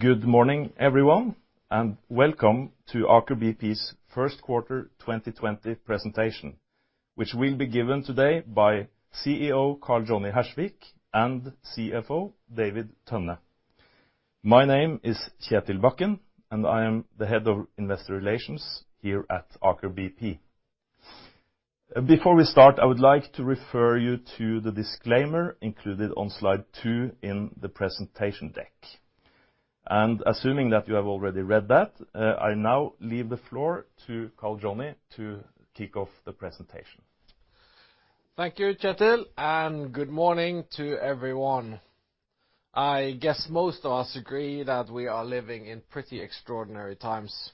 Good morning, everyone, and welcome to Aker BP's first quarter 2020 presentation, which will be given today by CEO Karl Johnny Hersvik and CFO David Tønne. My name is Kjetil Bakken, and I am the Head of Investor Relations here at Aker BP. Before we start, I would like to refer you to the disclaimer included on slide two in the presentation deck. Assuming that you have already read that, I now leave the floor to Karl Johnny to kick off the presentation. Thank you, Kjetil, and good morning to everyone. I guess most of us agree that we are living in pretty extraordinary times.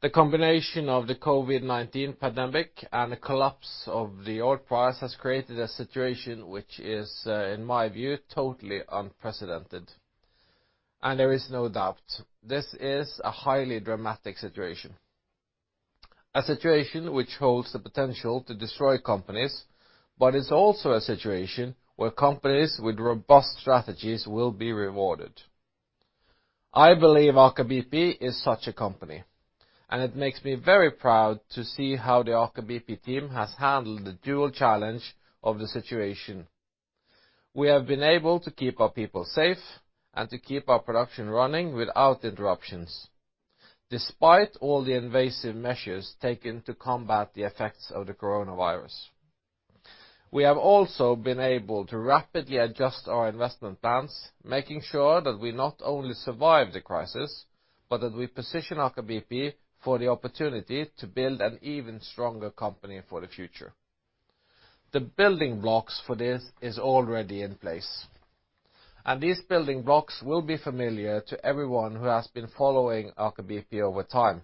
The combination of the COVID-19 pandemic and the collapse of the oil price has created a situation which is, in my view, totally unprecedented. There is no doubt this is a highly dramatic situation, a situation which holds the potential to destroy companies, but it's also a situation where companies with robust strategies will be rewarded. I believe Aker BP is such a company, and it makes me very proud to see how the Aker BP team has handled the dual challenge of the situation. We have been able to keep our people safe and to keep our production running without interruptions, despite all the invasive measures taken to combat the effects of the coronavirus. We have also been able to rapidly adjust our investment plans, making sure that we not only survive the crisis, but that we position Aker BP for the opportunity to build an even stronger company for the future. The building blocks for this is already in place, and these building blocks will be familiar to everyone who has been following Aker BP over time.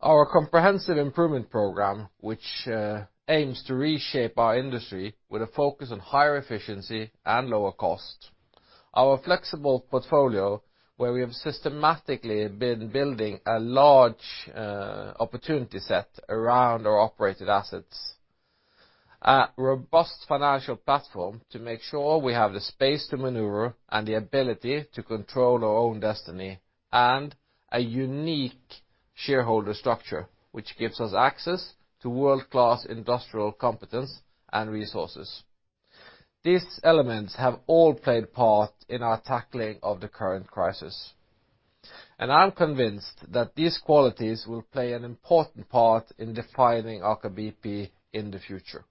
Our comprehensive improvement program, which aims to reshape our industry with a focus on higher efficiency and lower cost. Our flexible portfolio, where we have systematically been building a large opportunity set around our operated assets. A robust financial platform to make sure we have the space to maneuver and the ability to control our own destiny. A unique shareholder structure, which gives us access to world-class industrial competence and resources. These elements have all played a part in our tackling of the current crisis, and I am convinced that these qualities will play an important part in defining Aker BP in the future.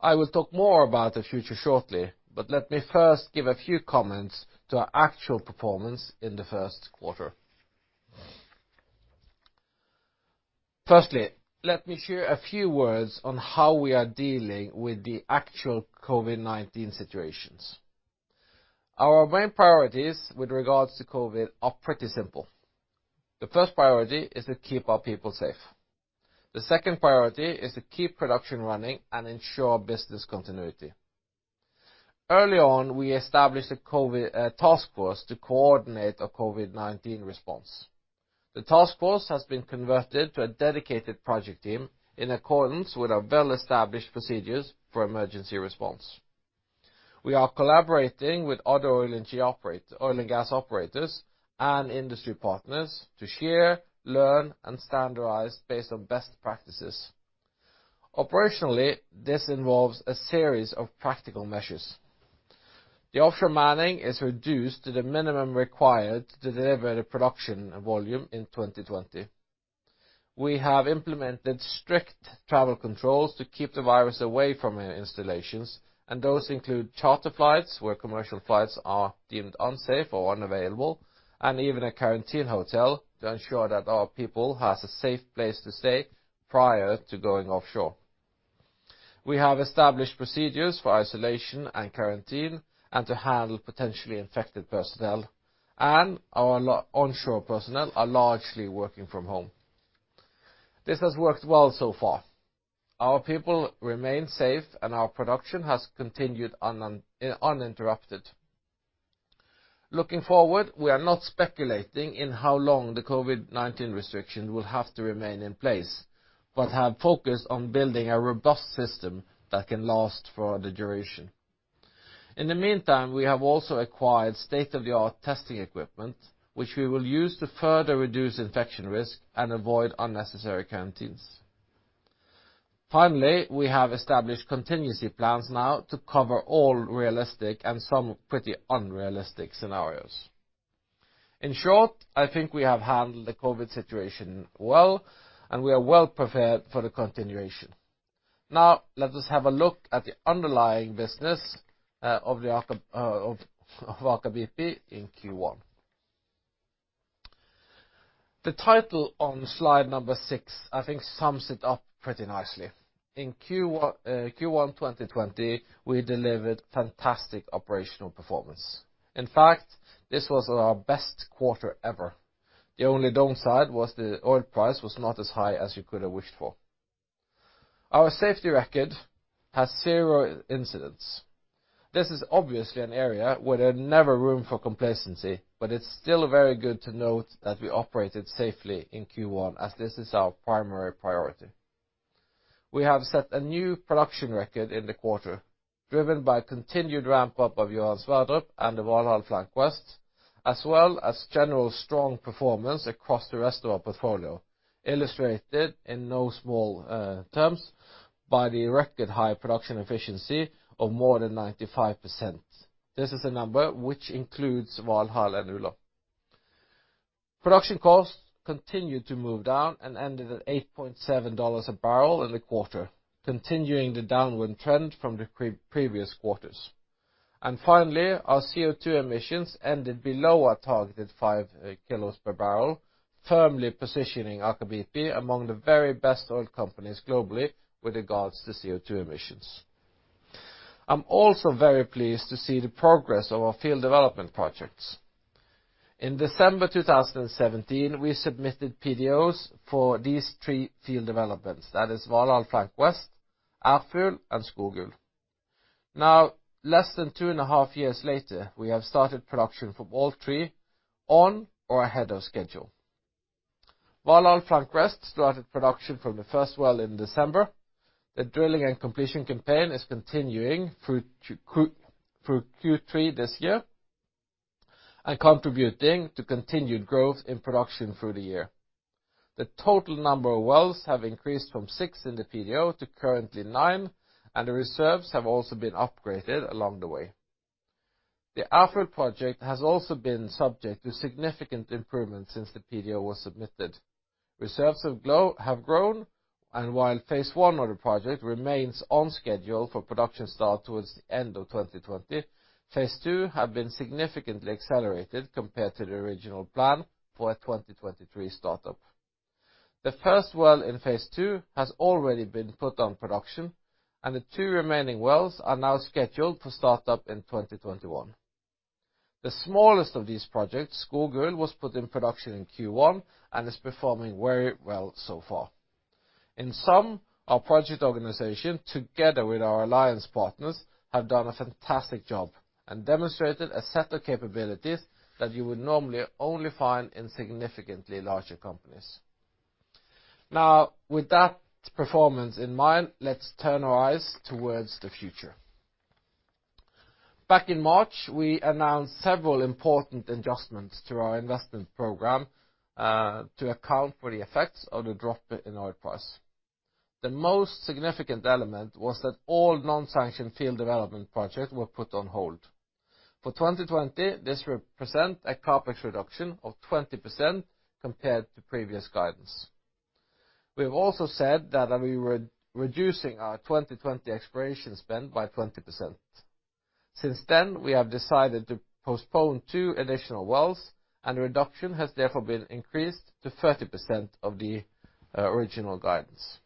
I will talk more about the future shortly, but let me first give a few comments to our actual performance in the first quarter. Firstly, let me share a few words on how we are dealing with the actual COVID-19 situations. Our main priorities with regards to COVID are pretty simple. The first priority is to keep our people safe. The second priority is to keep production running and ensure business continuity. Early on, we established a COVID task force to coordinate our COVID-19 response. The task force has been converted to a dedicated project team in accordance with our well-established procedures for emergency response. We are collaborating with other oil and gas operators and industry partners to share, learn, and standardize based on best practices. Operationally, this involves a series of practical measures. The offshore manning is reduced to the minimum required to deliver the production volume in 2020. We have implemented strict travel controls to keep the virus away from our installations, and those include charter flights where commercial flights are deemed unsafe or unavailable, and even a quarantine hotel to ensure that our people have a safe place to stay prior to going offshore. We have established procedures for isolation and quarantine and to handle potentially infected personnel, and our onshore personnel are largely working from home. This has worked well so far. Our people remain safe, and our production has continued uninterrupted. Looking forward, we are not speculating in how long the COVID-19 restriction will have to remain in place, but have focused on building a robust system that can last for the duration. In the meantime, we have also acquired state-of-the-art testing equipment, which we will use to further reduce infection risk and avoid unnecessary quarantines. Finally, we have established contingency plans now to cover all realistic and some pretty unrealistic scenarios. In short, I think we have handled the COVID situation well, and we are well-prepared for the continuation. Let us have a look at the underlying business of Aker BP in Q1. The title on slide number six, I think sums it up pretty nicely. In Q1 2020, we delivered fantastic operational performance. In fact, this was our best quarter ever. The only downside was the oil price was not as high as you could have wished for. Our safety record has zero incidents. This is obviously an area where there's never room for complacency, but it's still very good to note that we operated safely in Q1, as this is our primary priority. We have set a new production record in the quarter, driven by continued ramp-up of Johan Sverdrup and the Valhall Flank West, as well as general strong performance across the rest of our portfolio, illustrated in no small terms by the record high production efficiency of more than 95%. This is a number which includes Valhall and Ula. Production costs continued to move down and ended at $8.70/bbl in the quarter, continuing the downward trend from the previous quarters. Finally, our CO2 emissions ended below our targeted 5 kg/bbl, firmly positioning Aker BP among the very best oil companies globally with regards to CO2 emissions. I'm also very pleased to see the progress of our field development projects. In December 2017, we submitted PDOs for these three field developments. That is Valhall Flank West, Ærfugl, and Skogul. Now, less than two and a half years later, we have started production from all three on or ahead of schedule. Valhall Flank West started production from the first well in December. The drilling and completion campaign is continuing through Q3 this year and contributing to continued growth in production through the year. The total number of wells have increased from six in the PDO to currently nine, and the reserves have also been upgraded along the way. The Ærfugl project has also been subject to significant improvements since the PDO was submitted. Reserves have grown, and while phase I of the project remains on schedule for production start towards the end of 2020, phase II have been significantly accelerated compared to the original plan for a 2023 start-up. The first well in phase II has already been put on production, and the two remaining wells are now scheduled for start-up in 2021. The smallest of these projects, Skogul, was put in production in Q1 and is performing very well so far. In sum, our project organization, together with our alliance partners, have done a fantastic job and demonstrated a set of capabilities that you would normally only find in significantly larger companies. Now, with that performance in mind, let's turn our eyes towards the future. Back in March, we announced several important adjustments to our investment program to account for the effects of the drop in oil price. The most significant element was that all non-sanctioned field development projects were put on hold. For 2020, this represent a CapEx reduction of 20% compared to previous guidance. We have also said that we were reducing our 2020 exploration spend by 20%. Since then, we have decided to postpone two additional wells, and the reduction has therefore been increased to 30% of the original guidance.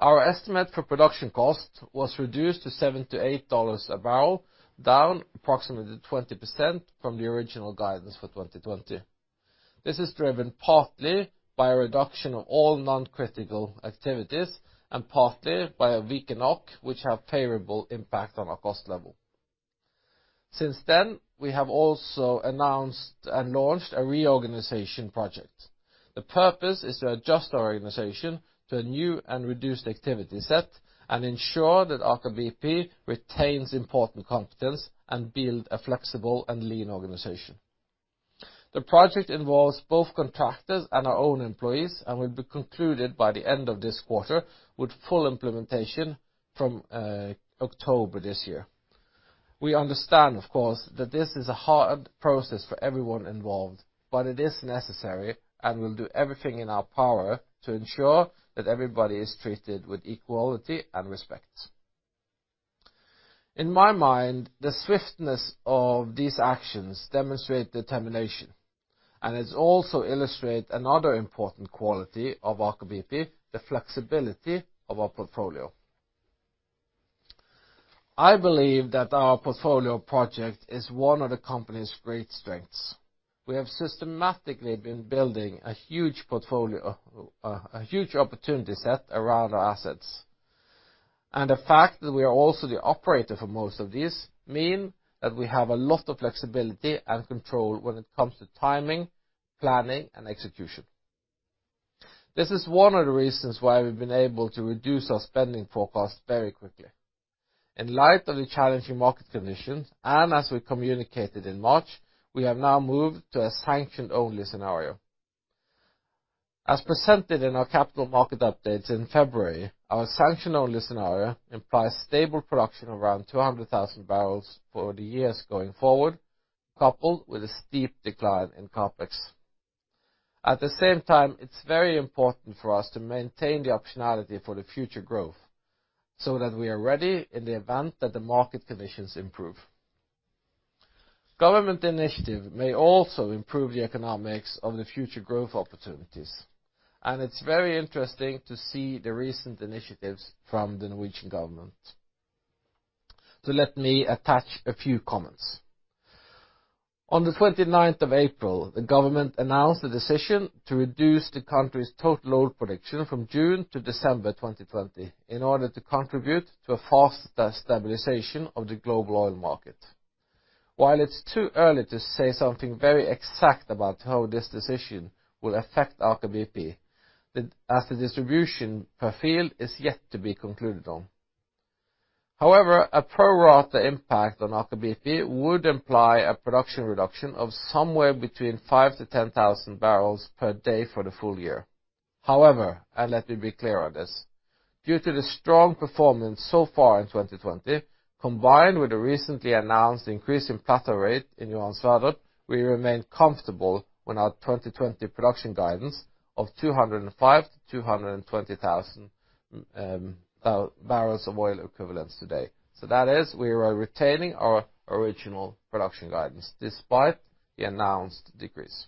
Our estimate for production cost was reduced to $7-$8 a barrel, down approximately 20% from the original guidance for 2020. This is driven partly by a reduction of all non-critical activities and partly by a weaker NOK, which have favorable impact on our cost level. Since then, we have also announced and launched a reorganization project. The purpose is to adjust our organization to a new and reduced activity set and ensure that Aker BP retains important competence and build a flexible and lean organization. The project involves both contractors and our own employees and will be concluded by the end of this quarter, with full implementation from October this year. We understand, of course, that this is a hard process for everyone involved, but it is necessary, and we'll do everything in our power to ensure that everybody is treated with equality and respect. In my mind, the swiftness of these actions demonstrate determination, and it also illustrate another important quality of Aker BP, the flexibility of our portfolio. I believe that our portfolio project is one of the company's great strengths. We have systematically been building a huge opportunity set around our assets. The fact that we are also the operator for most of these mean that we have a lot of flexibility and control when it comes to timing, planning, and execution. This is one of the reasons why we've been able to reduce our spending forecast very quickly. In light of the challenging market conditions, and as we communicated in March, we have now moved to a sanction-only scenario. As presented in our Capital Market Updates in February, our sanction-only scenario implies stable production around 200,000 bbl for the years going forward, coupled with a steep decline in CapEx. At the same time, it's very important for us to maintain the optionality for the future growth so that we are ready in the event that the market conditions improve. Government initiative may also improve the economics of the future growth opportunities, it's very interesting to see the recent initiatives from the Norwegian government. Let me attach a few comments. On April 29th, the government announced the decision to reduce the country's total oil production from June-December 2020 in order to contribute to a fast stabilization of the global oil market. While it's too early to say something very exact about how this decision will affect Aker BP, as the distribution per field is yet to be concluded on. However, a pro rata impact on Aker BP would imply a production reduction of somewhere between 5,000 bpd-10,000 bpd for the full year. However, let me be clear on this, due to the strong performance so far in 2020, combined with the recently announced increase in plateau rate in Johan Sverdrup, we remain comfortable with our 2020 production guidance of 205,000 BoE-220,000 BoE today. That is, we are retaining our original production guidance despite the announced decrease.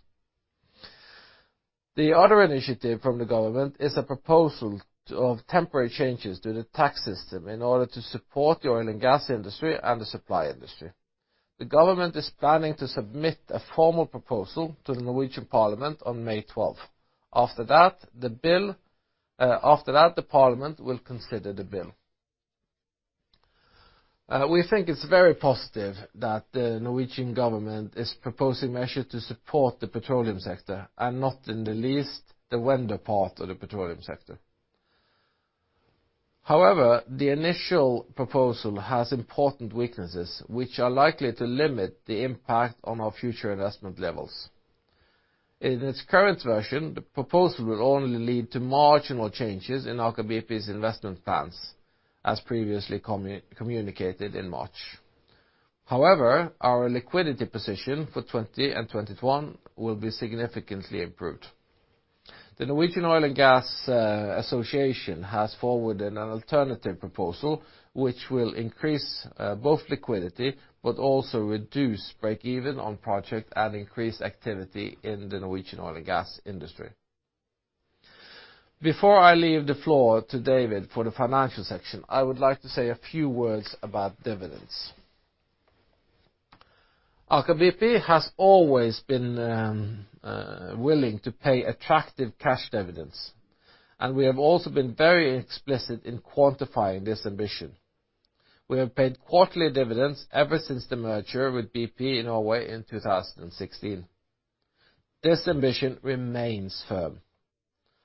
The other initiative from the government is a proposal of temporary changes to the tax system in order to support the oil and gas industry and the supply industry. The government is planning to submit a formal proposal to the Norwegian parliament on May 12th. After that, the parliament will consider the bill. We think it's very positive that the Norwegian government is proposing measures to support the petroleum sector and not in the least, the vendor part of the petroleum sector. However, the initial proposal has important weaknesses, which are likely to limit the impact on our future investment levels. In its current version, the proposal will only lead to marginal changes in Aker BP's investment plans as previously communicated in March. However, our liquidity position for 2020 and 2021 will be significantly improved. The Norwegian Oil and Gas Association has forwarded an alternative proposal, which will increase both liquidity, but also reduce break-even on project and increase activity in the Norwegian oil and gas industry. Before I leave the floor to David for the financial section, I would like to say a few words about dividends. Aker BP has always been willing to pay attractive cash dividends, and we have also been very explicit in quantifying this ambition. We have paid quarterly dividends ever since the merger with BP in Norway in 2016. This ambition remains firm.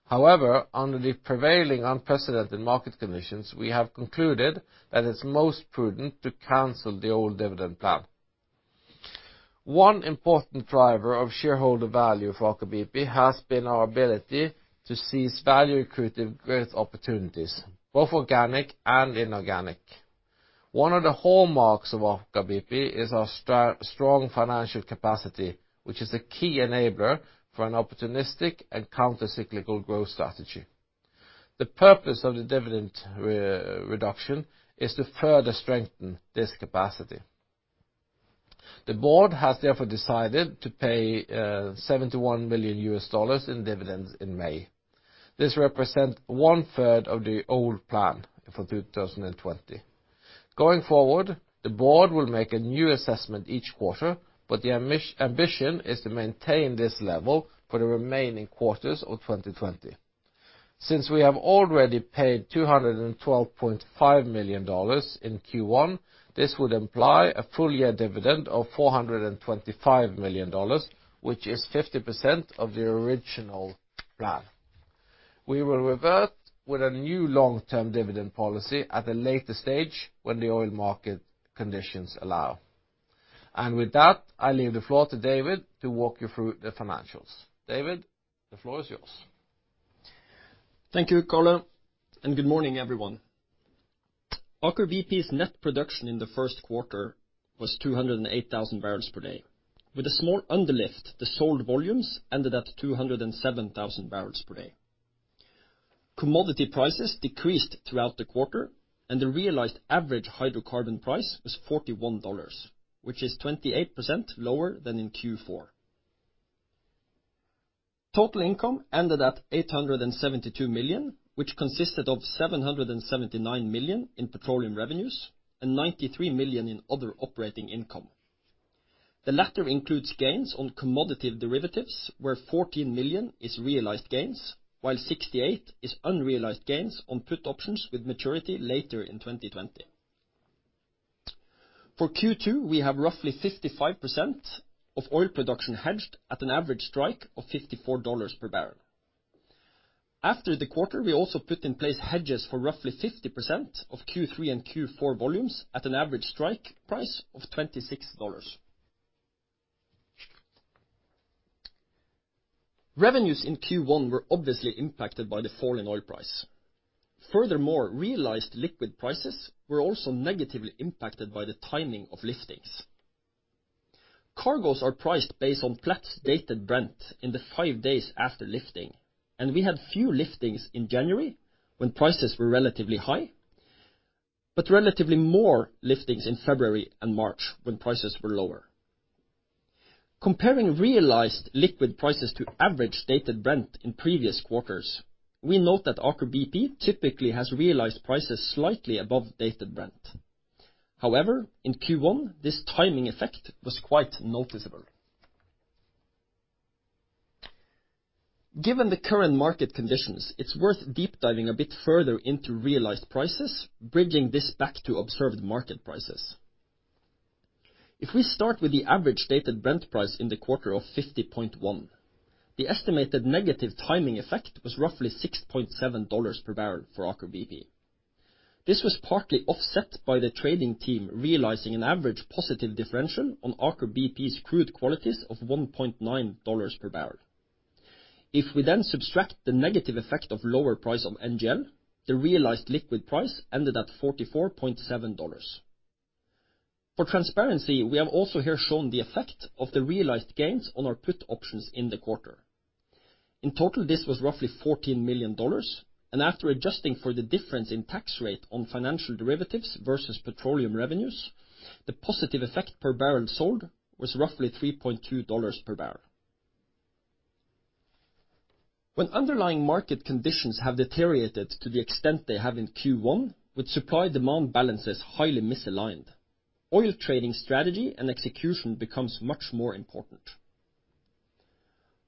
However, under the prevailing unprecedented market conditions, we have concluded that it's most prudent to cancel the old dividend plan. One important driver of shareholder value for Aker BP has been our ability to seize value-accretive growth opportunities, both organic and inorganic. One of the hallmarks of Aker BP is our strong financial capacity, which is a key enabler for an opportunistic and counter-cyclical growth strategy. The purpose of the dividend reduction is to further strengthen this capacity. The board has therefore decided to pay $71 million in dividends in May. This represent 1/3 of the old plan for 2020. Going forward, the board will make a new assessment each quarter, but the ambition is to maintain this level for the remaining quarters of 2020. We have already paid $212.5 million in Q1, this would imply a full year dividend of $425 million, which is 50% of the original plan. We will revert with a new long-term dividend policy at a later stage when the oil market conditions allow. With that, I leave the floor to David to walk you through the financials. David, the floor is yours. Thank you, Karl, and good morning, everyone. Aker BP's net production in the first quarter was 208,000 bpd. With a small underlift, the sold volumes ended at 207,000 bpd. Commodity prices decreased throughout the quarter, and the realized average hydrocarbon price was $41, which is 28% lower than in Q4. Total income ended at $872 million, which consisted of $779 million in petroleum revenues and $93 million in other operating income. The latter includes gains on commodity derivatives, where $14 million is realized gains, while $68 is unrealized gains on put options with maturity later in 2020. For Q2, we have roughly 55% of oil production hedged at an average strike of $54/bbl. After the quarter, we also put in place hedges for roughly 50% of Q3 and Q4 volumes at an average strike price of $26. Revenues in Q1 were obviously impacted by the fall in oil price. Realized liquid prices were also negatively impacted by the timing of liftings. Cargoes are priced based on Platts Dated Brent in the five days after lifting, and we had few liftings in January when prices were relatively high, but relatively more liftings in February and March when prices were lower. Comparing realized liquid prices to average Dated Brent in previous quarters. We note that Aker BP typically has realized prices slightly above Dated Brent. In Q1, this timing effect was quite noticeable. Given the current market conditions, it's worth deep-diving a bit further into realized prices, bridging this back to observed market prices. If we start with the average Dated Brent price in the quarter of $50.1, the estimated negative timing effect was roughly $6.7/bbl for Aker BP. This was partly offset by the trading team realizing an average positive differential on Aker BP's crude qualities of $1.9/bbl. If we then subtract the negative effect of lower price of NGL, the realized liquid price ended at $44.7. For transparency, we have also here shown the effect of the realized gains on our put options in the quarter. In total, this was roughly $14 million, and after adjusting for the difference in tax rate on financial derivatives versus petroleum revenues, the positive effect per barrel sold was roughly $3.2/bbl. When underlying market conditions have deteriorated to the extent they have in Q1, with supply-demand balances highly misaligned, oil trading strategy and execution becomes much more important.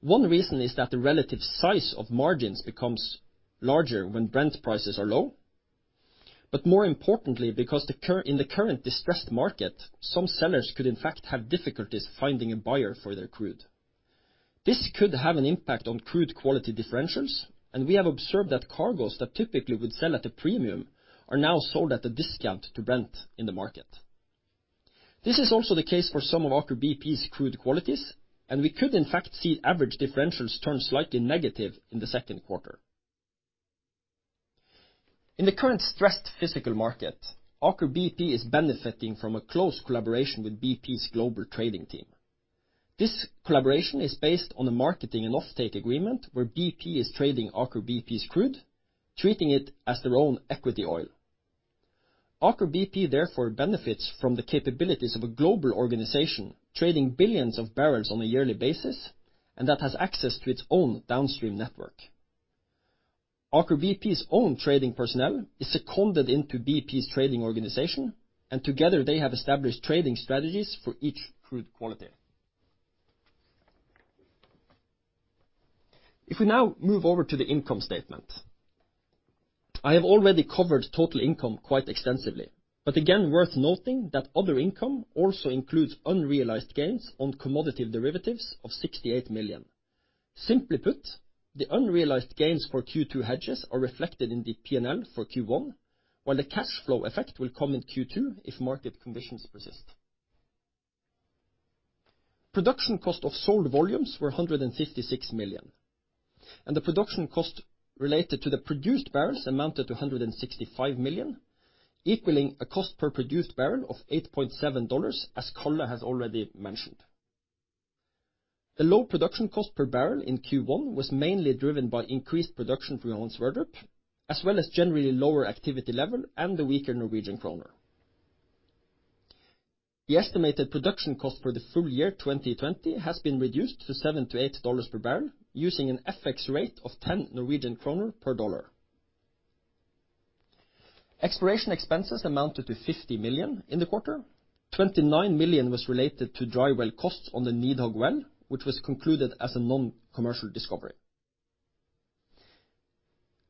One reason is that the relative size of margins becomes larger when Brent prices are low, but more importantly, because in the current distressed market, some sellers could in fact have difficulties finding a buyer for their crude. This could have an impact on crude quality differentials, and we have observed that cargoes that typically would sell at a premium are now sold at a discount to Brent in the market. This is also the case for some of Aker BP's crude qualities, and we could in fact see average differentials turn slightly negative in the second quarter. In the current stressed physical market, Aker BP is benefiting from a close collaboration with BP's global trading team. This collaboration is based on a marketing and offtake agreement where BP is trading Aker BP's crude, treating it as their own equity oil. Aker BP benefits from the capabilities of a global organization, trading billions of barrels on a yearly basis, and that has access to its own downstream network. Aker BP's own trading personnel is seconded into BP's trading organization, together they have established trading strategies for each crude quality. If we now move over to the income statement. I have already covered total income quite extensively, worth noting that other income also includes unrealized gains on commodity derivatives of $68 million. Simply put, the unrealized gains for Q2 hedges are reflected in the P&L for Q1, while the cash flow effect will come in Q2 if market conditions persist. Production cost of sold volumes were $156 million, the production cost related to the produced barrels amounted to $165 million, equaling a cost per produced barrel of $8.7, as Karl has already mentioned. The low production cost per barrel in Q1 was mainly driven by increased production from Johan Sverdrup, as well as generally lower activity level and the weaker Norwegian kroner. The estimated production cost for the full year 2020 has been reduced to $7-$8 per barrel, using an FX rate of 10 Norwegian kroner per dollar. Exploration expenses amounted to $50 million in the quarter. $29 million was related to dry well costs on the Nidhogg well, which was concluded as a non-commercial discovery.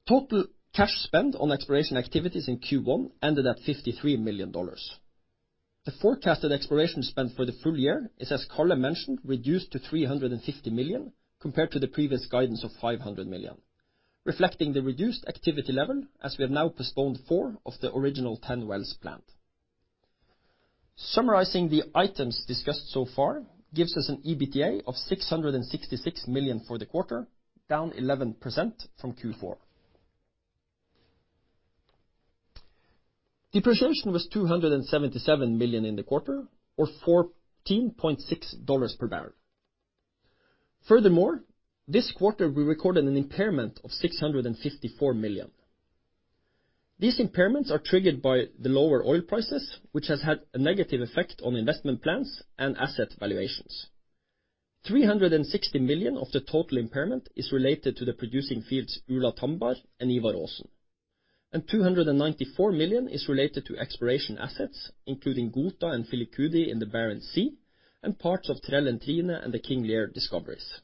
Total cash spend on exploration activities in Q1 ended at $53 million. The forecasted exploration spend for the full year is, as Karl mentioned, reduced to $350 million, compared to the previous guidance of $500 million, reflecting the reduced activity level as we have now postponed four of the original 10 wells planned. Summarizing the items discussed so far gives us an EBITDA of $666 million for the quarter, down 11% from Q4. Depreciation was $277 million in the quarter, or $14.6/bbl. Furthermore, this quarter, we recorded an impairment of $654 million. These impairments are triggered by the lower oil prices, which has had a negative effect on investment plans and asset valuations. $360 million of the total impairment is related to the producing fields Ula, Tambar, and Ivar Aasen, and $294 million is related to exploration assets, including Gohta and Filicudi in the Barents Sea and parts of Trell and Trine and the King Lear discoveries.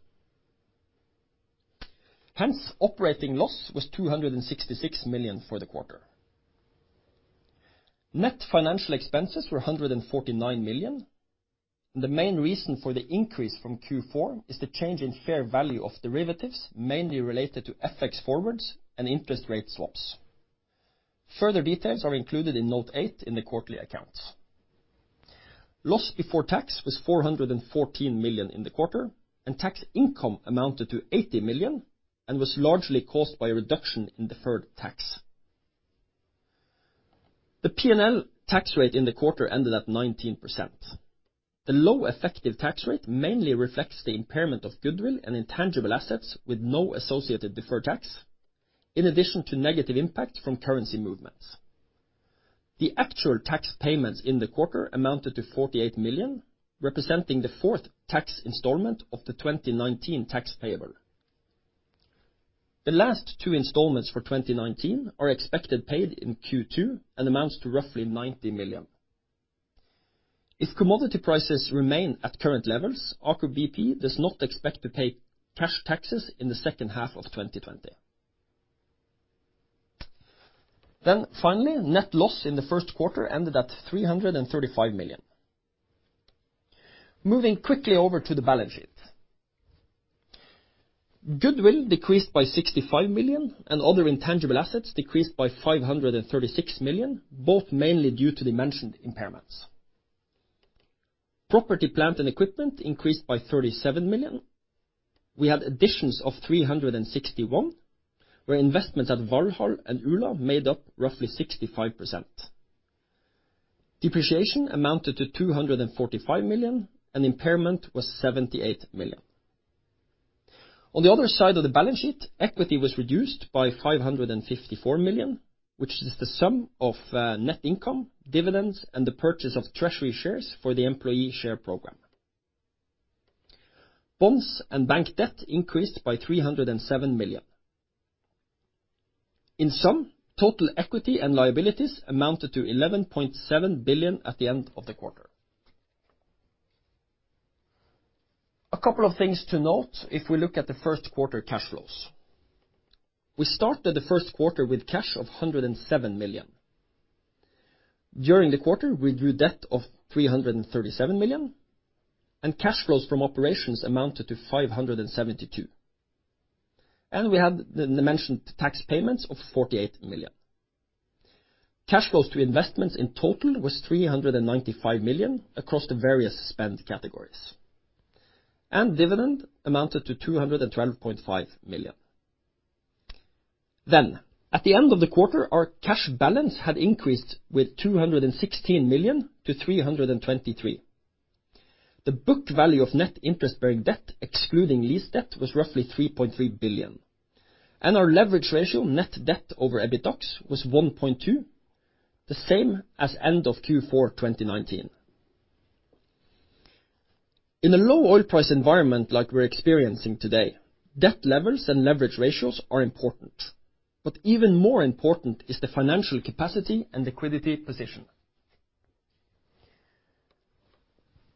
Hence, operating loss was $266 million for the quarter. Net financial expenses were $149 million, and the main reason for the increase from Q4 is the change in fair value of derivatives, mainly related to FX forwards and interest rate swaps. Further details are included in note eight in the quarterly accounts. Loss before tax was $414 million in the quarter, and tax income amounted to $80 million and was largely caused by a reduction in deferred tax. The P&L tax rate in the quarter ended at 19%. The low effective tax rate mainly reflects the impairment of goodwill and intangible assets with no associated deferred tax, in addition to negative impact from currency movements. The actual tax payments in the quarter amounted to $48 million, representing the fourth tax installment of the 2019 tax payable. The last two installments for 2019 are expected paid in Q2 and amounts to roughly $90 million. If commodity prices remain at current levels, Aker BP does not expect to pay cash taxes in the second half of 2020. Finally, net loss in the first quarter ended at $335 million. Moving quickly over to the balance sheet. Goodwill decreased by $65 million, and other intangible assets decreased by $536 million, both mainly due to the mentioned impairments. Property, plant, and equipment increased by $37 million. We had additions of $361 million, where investments at Valhall and Ula made up roughly 65%. Depreciation amounted to $245 million, and impairment was $78 million. On the other side of the balance sheet, equity was reduced by $554 million, which is the sum of net income, dividends, and the purchase of treasury shares for the employee share program. Bonds and bank debt increased by $307 million. In sum, total equity and liabilities amounted to $11.7 billion at the end of the quarter. A couple of things to note if we look at the first quarter cash flows. We started the first quarter with cash of $107 million. During the quarter, we drew debt of $337 million, cash flows from operations amounted to $572 million. We had the mentioned tax payments of $48 million. Cash flows to investments in total was $395 million across the various spend categories. Dividend amounted to $212.5 million. At the end of the quarter, our cash balance had increased with $216 million-$323 million. The book value of net interest-bearing debt, excluding lease debt, was roughly $3.3 billion. Our leverage ratio net debt over EBITDAX was 1.2x, the same as end of Q4 2019. In a low oil price environment like we're experiencing today, debt levels and leverage ratios are important. Even more important is the financial capacity and liquidity position.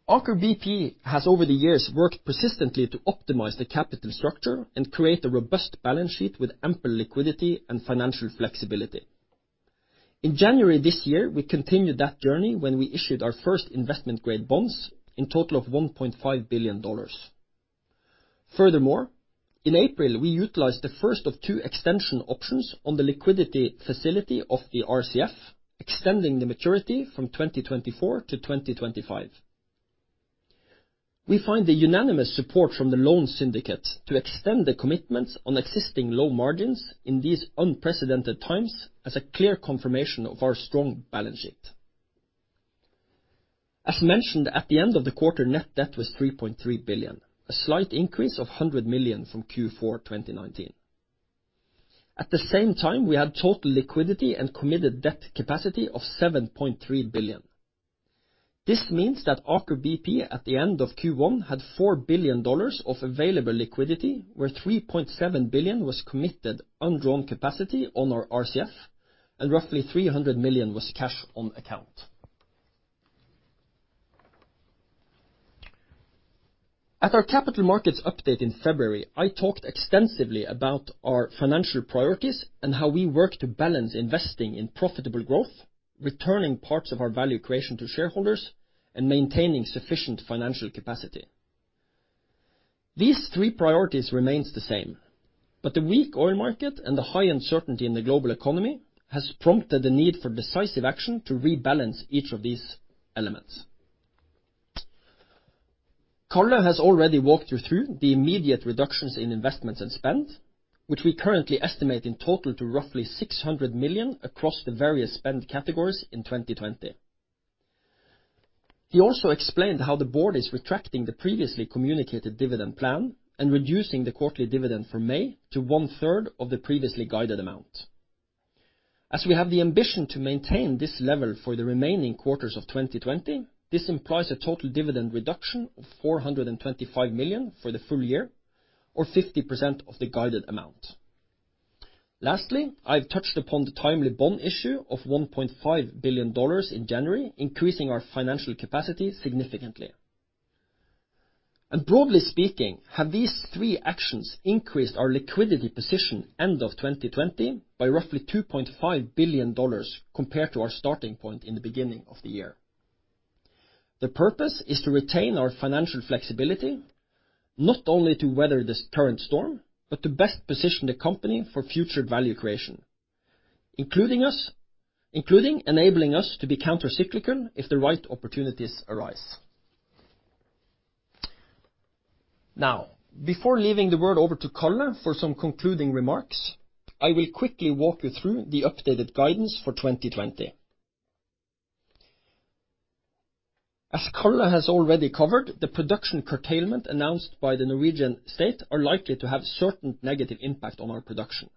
Aker BP has, over the years, worked persistently to optimize the capital structure and create a robust balance sheet with ample liquidity and financial flexibility. In January this year, we continued that journey when we issued our first investment-grade bonds in total of $1.5 billion. In April, we utilized the first of two extension options on the liquidity facility of the RCF, extending the maturity from 2024 to 2025. We find the unanimous support from the loan syndicates to extend the commitments on existing low margins in these unprecedented times as a clear confirmation of our strong balance sheet. As mentioned at the end of the quarter, net debt was $3.3 billion, a slight increase of $100 million from Q4 2019. At the same time, we had total liquidity and committed debt capacity of $7.3 billion. This means that Aker BP at the end of Q1 had $4 billion of available liquidity, where $3.7 billion was committed undrawn capacity on our RCF, and roughly $300 million was cash on account. At our Capital Markets Update in February, I talked extensively about our financial priorities and how we work to balance investing in profitable growth, returning parts of our value creation to shareholders, and maintaining sufficient financial capacity. These three priorities remains the same, but the weak oil market and the high uncertainty in the global economy has prompted the need for decisive action to rebalance each of these elements. Karl has already walked you through the immediate reductions in investments and spend, which we currently estimate in total to roughly $600 million across the various spend categories in 2020. He also explained how the board is retracting the previously communicated dividend plan and reducing the quarterly dividend for May to 1/3 of the previously guided amount. As we have the ambition to maintain this level for the remaining quarters of 2020, this implies a total dividend reduction of $425 million for the full year, or 50% of the guided amount. Lastly, I've touched upon the timely bond issue of $1.5 billion in January, increasing our financial capacity significantly. Broadly speaking, have these three actions increased our liquidity position end of 2020 by roughly $2.5 billion compared to our starting point in the beginning of the year. The purpose is to retain our financial flexibility not only to weather this current storm, but to best position the company for future value creation, including enabling us to be counter-cyclical if the right opportunities arise. Now, before leaving the word over to Karl for some concluding remarks, I will quickly walk you through the updated guidance for 2020. As Karl has already covered, the production curtailment announced by the Norwegian state are likely to have a certain negative impact on our production.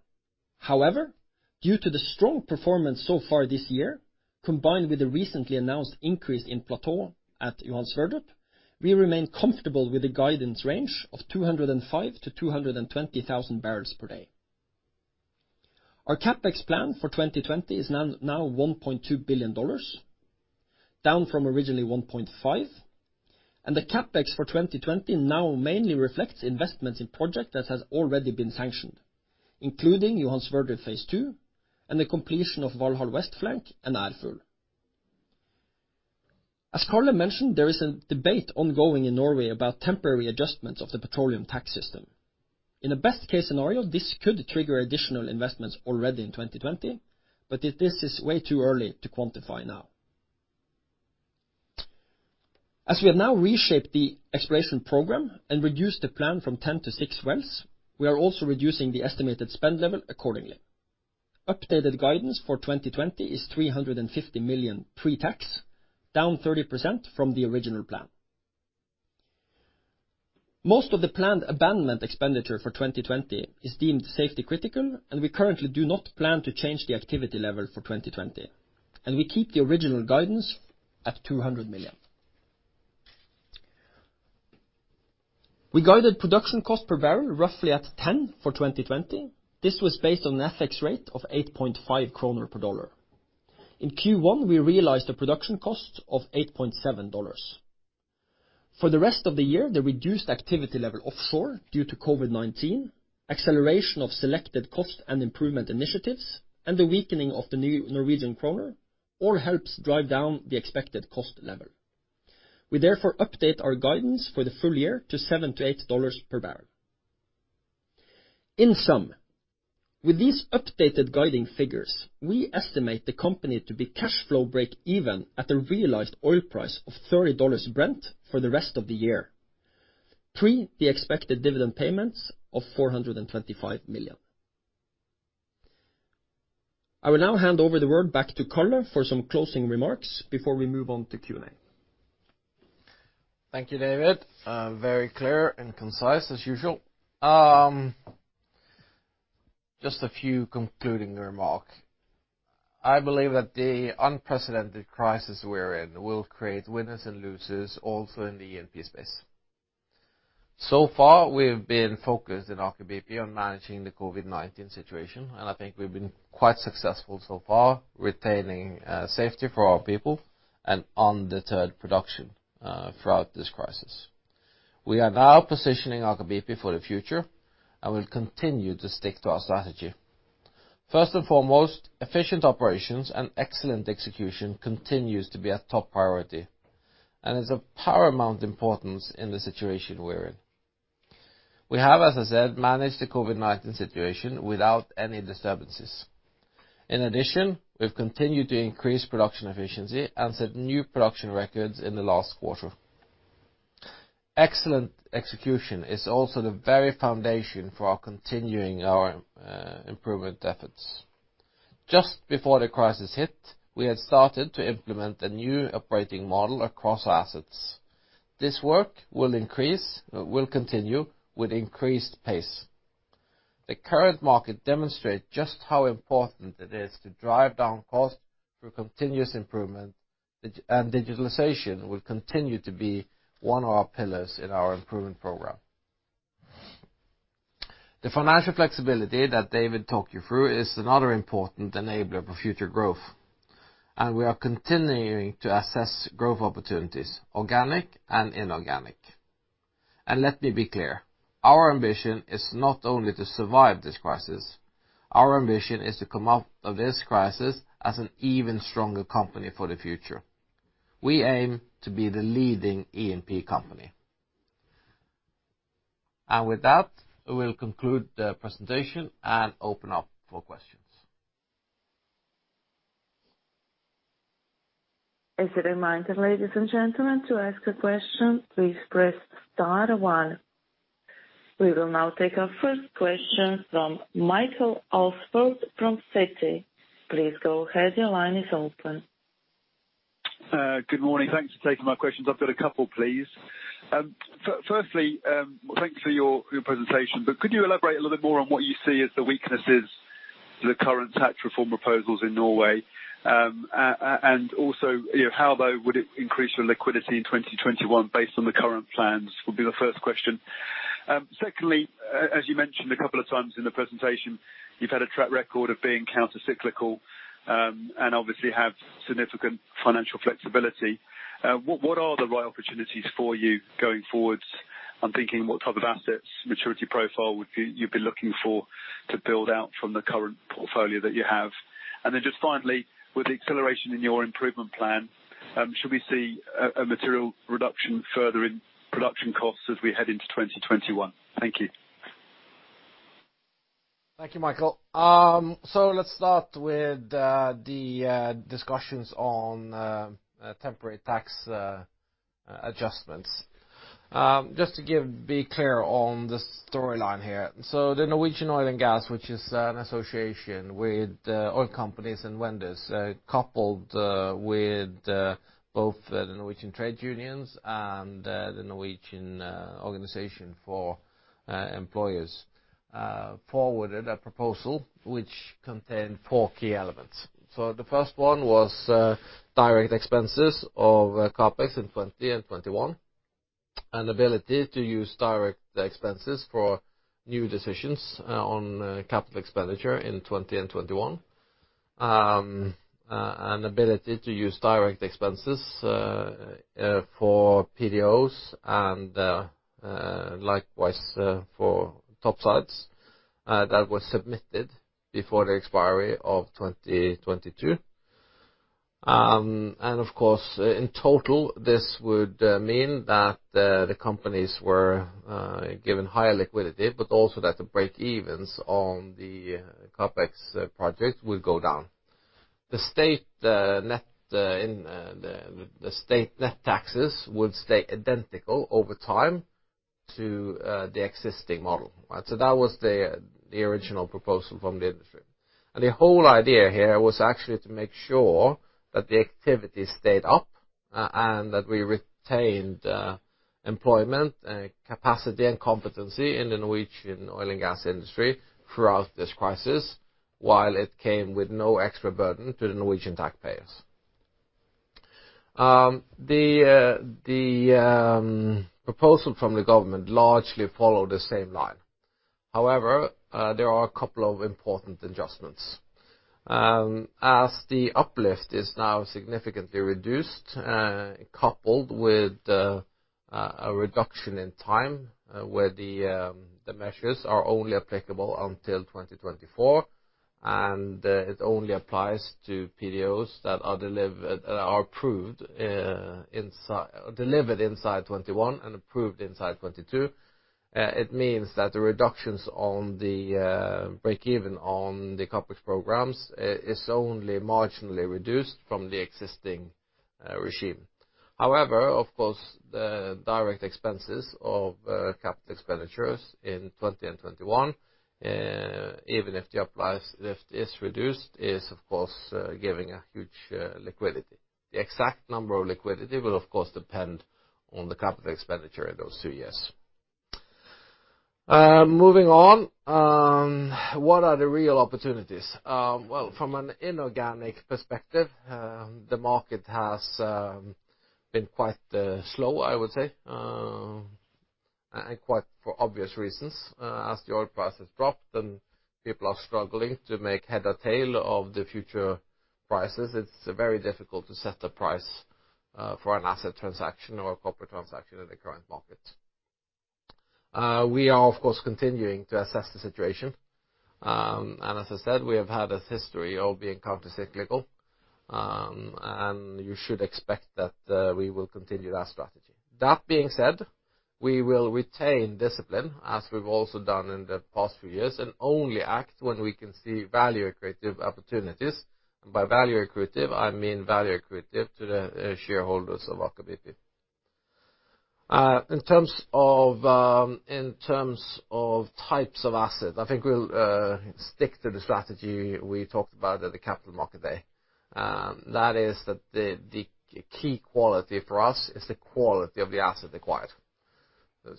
However, due to the strong performance so far this year, combined with the recently announced increase in plateau at Johan Sverdrup, we remain comfortable with the guidance range of 205,000 bpd-220,000 bpd. Our CapEx plan for 2020 is now $1.2 billion, down from originally $1.5 billion, and the CapEx for 2020 now mainly reflects investments in project that has already been sanctioned, including Johan Sverdrup phase II and the completion of Valhall Flank Westand Ærfugl. As Karl mentioned, there is a debate ongoing in Norway about temporary adjustments of the petroleum tax system. In a best-case scenario, this could trigger additional investments already in 2020, this is way too early to quantify now. As we have now reshaped the exploration program and reduced the plan from 10-6 wells, we are also reducing the estimated spend level accordingly. Updated guidance for 2020 is $350 million pre-tax, down 30% from the original plan. Most of the planned abandonment expenditure for 2020 is deemed safety-critical, we currently do not plan to change the activity level for 2020. We keep the original guidance at $200 million. We guided production cost per barrel roughly at $10 for 2020. This was based on an FX rate of 8.5 kroner per U.S. dollar. In Q1, we realized a production cost of $8.7. For the rest of the year, the reduced activity level offshore due to COVID-19, acceleration of selected cost and improvement initiatives, and the weakening of the Norwegian kroner all helps drive down the expected cost level. We therefore update our guidance for the full year to $7-$8 per barrel. In sum, with these updated guiding figures, we estimate the company to be cash flow break even at a realized oil price of $30 Brent for the rest of the year, pre the expected dividend payments of $425 million. I will now hand over the word back to Karl for some closing remarks before we move on to Q&A. Thank you, David. Very clear and concise as usual. Just a few concluding remark. I believe that the unprecedented crisis we're in will create winners and losers also in the E&P space. So far, we've been focused in Aker BP on managing the COVID-19 situation, and I think we've been quite successful so far, retaining safety for our people and undeterred production throughout this crisis. We are now positioning Aker BP for the future and will continue to stick to our strategy. First and foremost, efficient operations and excellent execution continues to be a top priority and is of paramount importance in the situation we're in. We have, as I said, managed the COVID-19 situation without any disturbances. In addition, we've continued to increase production efficiency and set new production records in the last quarter. Excellent execution is also the very foundation for continuing our improvement efforts. Just before the crisis hit, we had started to implement a new operating model across assets. This work will continue with increased pace. The current market demonstrate just how important it is to drive down cost through continuous improvement, digitalization will continue to be one of our pillars in our improvement program. The financial flexibility that David talked you through is another important enabler for future growth, we are continuing to assess growth opportunities, organic and inorganic. Let me be clear, our ambition is not only to survive this crisis, our ambition is to come out of this crisis as an even stronger company for the future. We aim to be the leading E&P company. With that, we will conclude the presentation and open up for questions. As a reminder, ladies and gentlemen, to ask a question, please press star one. We will now take our first question from Michael Alsford from Citi. Please go ahead. Your line is open. Good morning. Thanks for taking my questions. I've got a couple, please. Firstly, thanks for your presentation. Could you elaborate a little bit more on what you see as the weaknesses to the current tax reform proposals in Norway? Also, how would it increase your liquidity in 2021 based on the current plans, would be the first question. Secondly, as you mentioned a couple of times in the presentation, you've had a track record of being counter-cyclical, and obviously have significant financial flexibility. What are the right opportunities for you going forwards? I'm thinking what type of assets, maturity profile you'd be looking for to build out from the current portfolio that you have. Just finally, with the acceleration in your improvement plan, should we see a material reduction further in production costs as we head into 2021? Thank you. Thank you, Michael. Let's start with the discussions on temporary tax adjustments. Just to be clear on the storyline here. The Norwegian Oil and Gas, which is an association with oil companies and vendors, coupled with both the Norwegian trade unions and the Norwegian organization for employers, forwarded a proposal which contained four key elements. The first one was direct expenses of CapEx in 2020 and 2021, and ability to use direct expenses for new decisions on capital expenditure in 2020 and 2021. Ability to use direct expenses for PDOs and likewise for topsides that were submitted before the expiry of 2022. Of course, in total, this would mean that the companies were given higher liquidity, but also that the break evens on the CapEx project would go down. The state net taxes would stay identical over time to the existing model. That was the original proposal from the industry. The whole idea here was actually to make sure that the activity stayed up and that we retained employment, capacity, and competency in the Norwegian Oil and Gas industry throughout this crisis, while it came with no extra burden to the Norwegian taxpayers. The proposal from the government largely followed the same line. However, there are a couple of important adjustments. As the uplift is now significantly reduced, coupled with a reduction in time where the measures are only applicable until 2024, and it only applies to PDOs that are delivered inside 2021 and approved inside 2022. It means that the reductions on the break even on the CapEx programs is only marginally reduced from the existing regime. Of course, the direct expenses of capital expenditures in 2020 and 2021, even if the uplift is reduced, is, of course, giving a huge liquidity. The exact number of liquidity will, of course, depend on the capital expenditure in those two years. Moving on. What are the real opportunities? Well, from an inorganic perspective, the market has been quite slow, I would say, and quite for obvious reasons. As the oil prices dropped and people are struggling to make head or tail of the future prices, it's very difficult to set a price for an asset transaction or a corporate transaction in the current market. We are, of course, continuing to assess the situation. As I said, we have had a history of being counter-cyclical. You should expect that we will continue that strategy. That being said, we will retain discipline as we've also done in the past few years, and only act when we can see value accretive opportunities. By value accretive, I mean value accretive to the shareholders of Aker BP. In terms of types of assets, I think we'll stick to the strategy we talked about at the Capital Market Day. That is that the key quality for us is the quality of the asset acquired.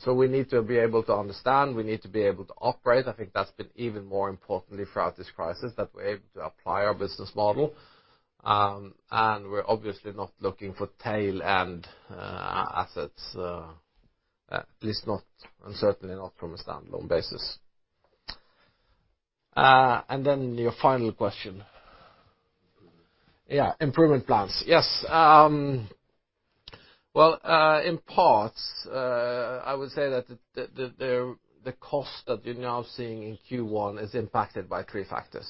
We need to be able to understand, we need to be able to operate. I think that's been even more important throughout this crisis, that we're able to apply our business model. We are obviously not looking for tail-end assets, at least not, and certainly not from a standalone basis. Then your final question. Improvement. Yeah, improvement plans. Yes. In parts, I would say that the cost that you are now seeing in Q1 is impacted by three factors.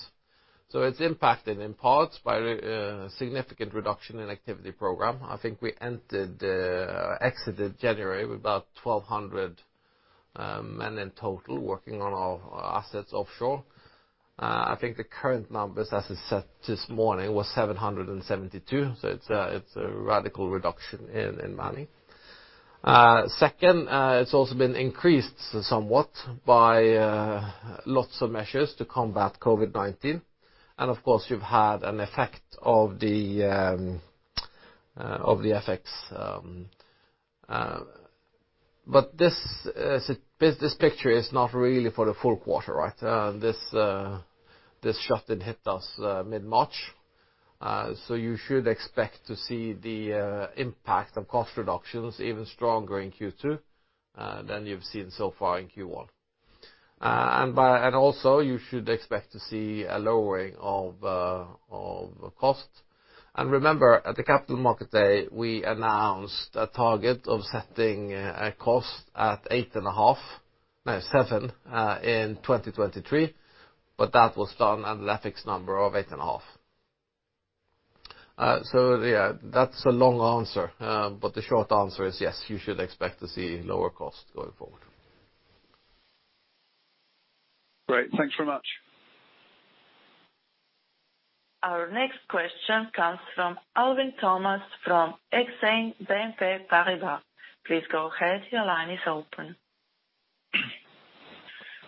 It's impacted in parts by a significant reduction in activity program. I think we exited January with about 1,200 men in total working on our assets offshore. I think the current numbers as I said this morning was 772. It's a radical reduction in money. Second, it's also been increased somewhat by lots of measures to combat COVID-19. Of course, you've had an effect of the FX. This picture is not really for the full quarter, right? This shutdown hit us mid-March. You should expect to see the impact of cost reductions even stronger in Q2 than you've seen so far in Q1. Also, you should expect to see a lowering of cost. Remember, at the Capital Market Day, we announced a target of setting a cost at $8.5, no seven, in 2023. That was done at an FX number of $8.5. Yeah, that's a long answer. The short answer is yes, you should expect to see lower cost going forward. Great. Thanks very much. Our next question comes from Alvin Thomas from Exane BNP Paribas. Please go ahead. Your line is open.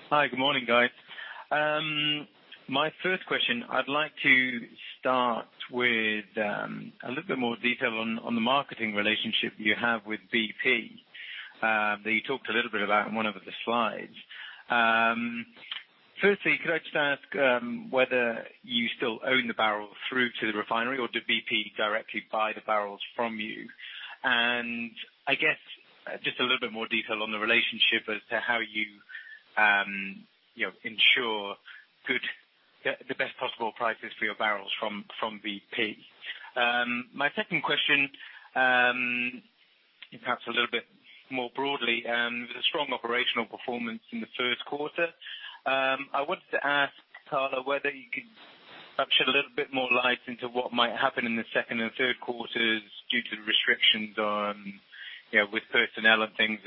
Hi, good morning, guys. My first question, I'd like to start with a little bit more detail on the marketing relationship you have with BP, that you talked a little bit about in one of the slides. Could I just ask whether you still own the barrel through to the refinery, or do BP directly buy the barrels from you? I guess, just a little bit more detail on the relationship as to how you ensure the best possible prices for your barrels from BP. My second question is perhaps a little bit more broadly. The strong operational performance in the first quarter. I wanted to ask Karl whether you could shed a little bit more light into what might happen in the second and third quarters due to the restrictions with personnel and things.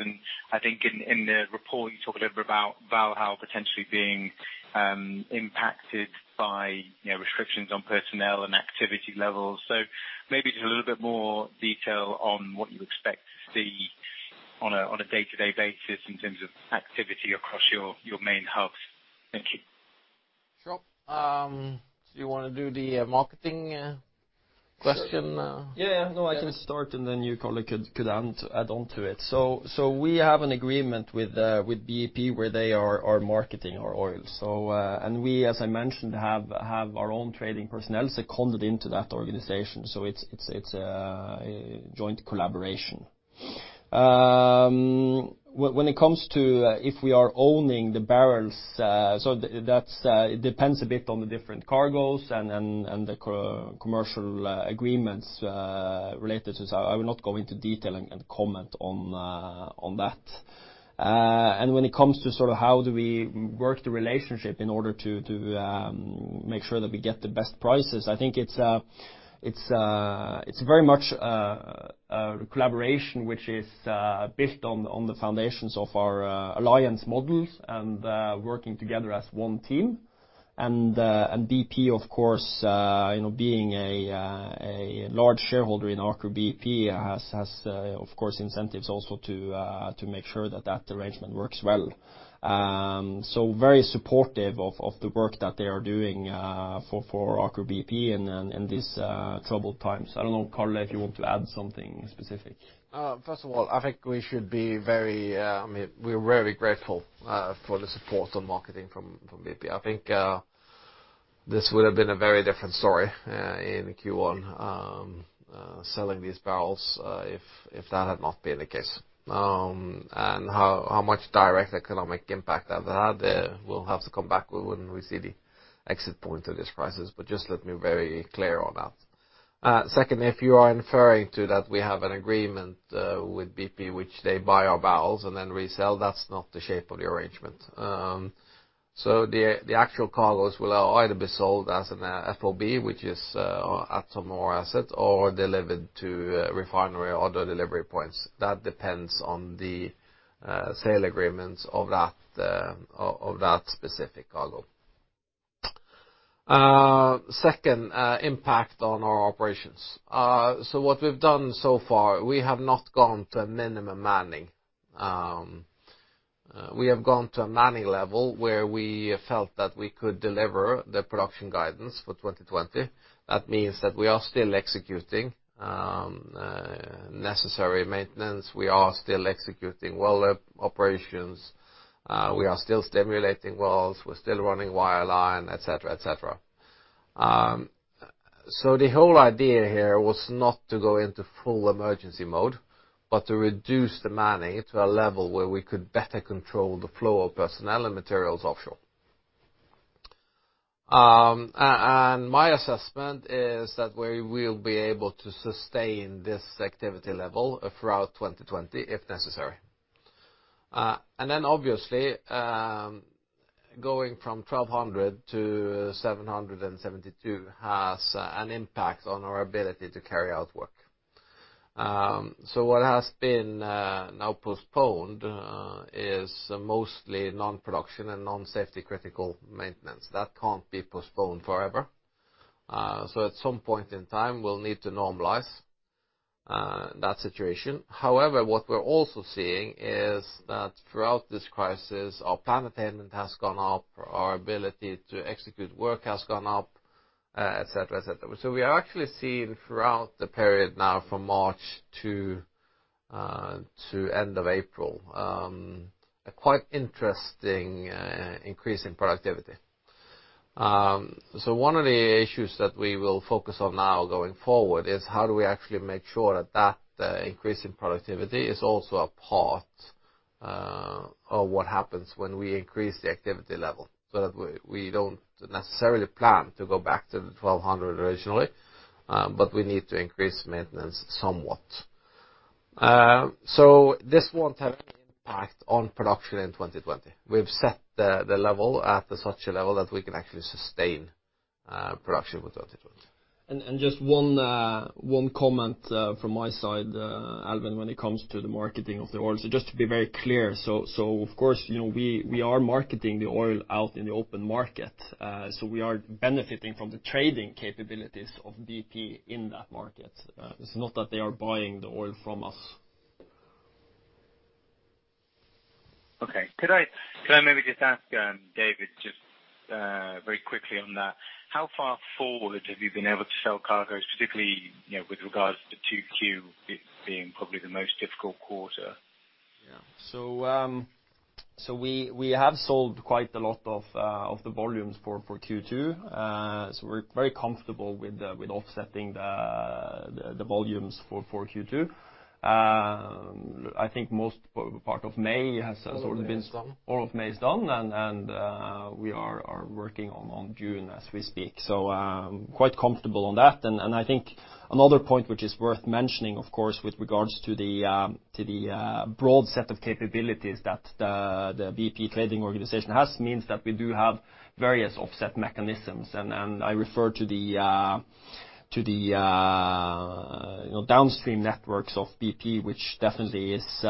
I think in the report you talked a little bit about Valhall potentially being impacted by restrictions on personnel and activity levels. Maybe just a little bit more detail on what you expect to see on a day-to-day basis in terms of activity across your main hubs. Thank you. Sure. Do you want to do the marketing question? No, I can start, then you, Karl, could add on to it. We have an agreement with BP where they are marketing our oil. We, as I mentioned, have our own trading personnel seconded into that organization. It's a joint collaboration. When it comes to if we are owning the barrels, it depends a bit on the different cargoes and the commercial agreements related to it. I will not go into detail and comment on that. When it comes to how do we work the relationship in order to make sure that we get the best prices. I think it's very much a collaboration which is built on the foundations of our alliance models and working together as one team. BP, of course, being a large shareholder in Aker BP, has, of course, incentives also to make sure that that arrangement works well. Very supportive of the work that they are doing for Aker BP in these troubled times. I don't know, Karl, if you want to add something specific. First of all, I think we're very grateful for the support on marketing from BP. I think this would have been a very different story in Q1, selling these barrels if that had not been the case. How much direct economic impact that had, we'll have to come back when we see the exit point of this crisis. Just let me be very clear on that. Second, if you are inferring to that we have an agreement with BP, which they buy our barrels and then resell, that's not the shape of the arrangement. The actual cargoes will either be sold as an FOB, which is at some of our asset, or delivered to refinery or other delivery points. That depends on the sale agreements of that specific cargo. Second, impact on our operations. What we've done so far, we have not gone to minimum manning. We have gone to a manning level where we felt that we could deliver the production guidance for 2020. That means that we are still executing necessary maintenance. We are still executing well operations. We are still stimulating wells. We're still running wireline, etc. The whole idea here was not to go into full emergency mode, but to reduce the manning to a level where we could better control the flow of personnel and materials offshore. My assessment is that we will be able to sustain this activity level throughout 2020 if necessary. Obviously, going from 1,200-772 has an impact on our ability to carry out work. What has been now postponed is mostly non-production and non-safety-critical maintenance. That can't be postponed forever. At some point in time, we'll need to normalize that situation. However, what we're also seeing is that throughout this crisis, our plant attainment has gone up, our ability to execute work has gone up, etc. We are actually seeing throughout the period now from March to end of April, a quite interesting increase in productivity. One of the issues that we will focus on now going forward is how do we actually make sure that that increase in productivity is also a part of what happens when we increase the activity level, so that we don't necessarily plan to go back to the 1,200 originally, but we need to increase maintenance somewhat. This won't have any impact on production in 2020. We've set the level at such a level that we can actually sustain production without a doubt. Just one comment from my side, Alvin, when it comes to the marketing of the oil. Just to be very clear, so of course, we are marketing the oil out in the open market, so we are benefiting from the trading capabilities of BP in that market. It's not that they are buying the oil from us. Okay. Could I maybe just ask David just very quickly on that. How far forward have you been able to sell cargoes, specifically, with regards to 2Q, being probably the most difficult quarter? We have sold quite a lot of the volumes for Q2. We are very comfortable with offsetting the volumes for Q2. All of May is done, we are working on June as we speak. Quite comfortable on that. I think another point which is worth mentioning, of course, with regards to the broad set of capabilities that the BP trading organization has, means that we do have various offset mechanisms. I refer to the downstream networks of BP, which definitely is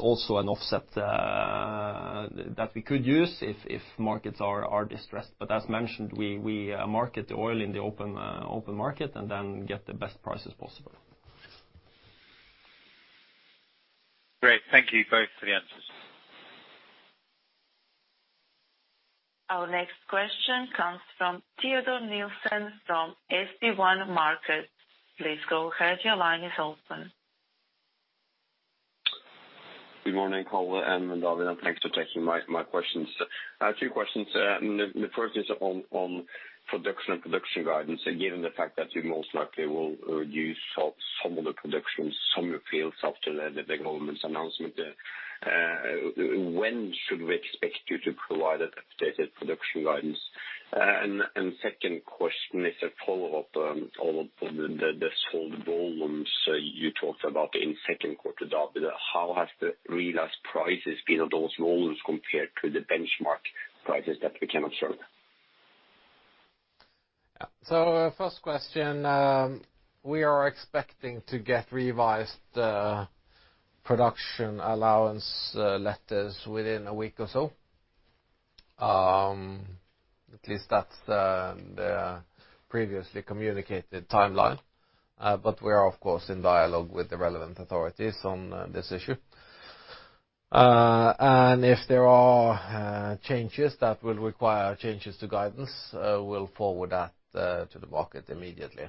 also an offset that we could use if markets are distressed. As mentioned, we market the oil in the open market and then get the best prices possible. Great. Thank you both for the answers. Our next question comes from Teodor Sveen-Nilsen from SB1 Markets. Please go ahead. Your line is open. Good morning, Karl and David, thanks for taking my questions. I have two questions. The first is on production and production guidance, given the fact that you most likely will reduce some of the production in some fields after the government's announcement. When should we expect you to provide an updated production guidance? Second question is a follow-up on the sold volumes you talked about in second quarter. David, how has the realized prices been on those volumes compared to the benchmark prices that we can observe? First question, we are expecting to get revised production allowance letters within one week or so. At least that's the previously communicated timeline. We are, of course, in dialogue with the relevant authorities on this issue. If there are changes that will require changes to guidance, we'll forward that to the market immediately.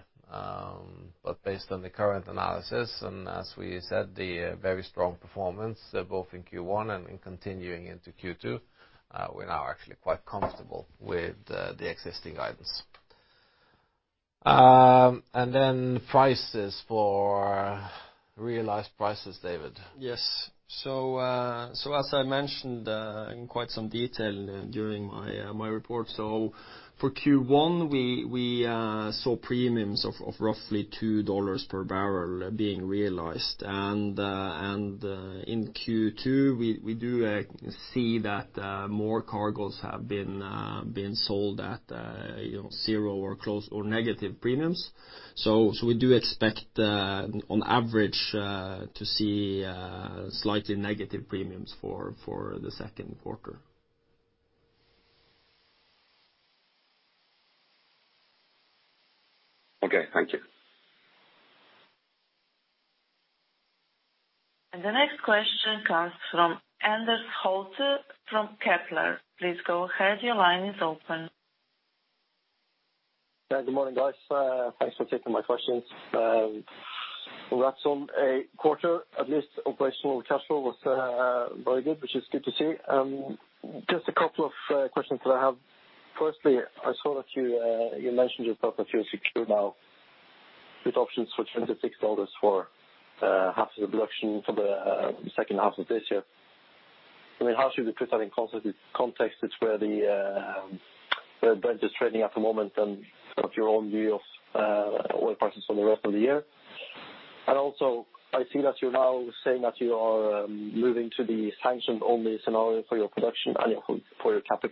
Based on the current analysis, and as we said, the very strong performance both in Q1 and in continuing into Q2, we're now actually quite comfortable with the existing guidance. Prices for realized prices, David? Yes. As I mentioned, in quite some detail during my report. For Q1, we saw premiums of roughly $2 per barrel being realized. In Q2, we do see that more cargoes have been sold at zero or negative premiums. We do expect, on average, to see slightly negative premiums for the second quarter. Okay. Thank you. The next question comes from Anders Holte from Kepler. Please go ahead. Your line is open. Yeah, good morning, guys. Thanks for taking my questions. Congrats on a quarter. At least operational cash flow was very good, which is good to see. Just a couple of questions that I have. Firstly, I saw that you mentioned yourself that you're secure now with options for $26 for half of the production for the second half of this year. I mean, how should we put that in context? It's where the Brent is trading at the moment and sort of your own view of oil prices for the rest of the year. Also, I see that you're now saying that you are moving to the sanctioned-only scenario for your production and for your CapEx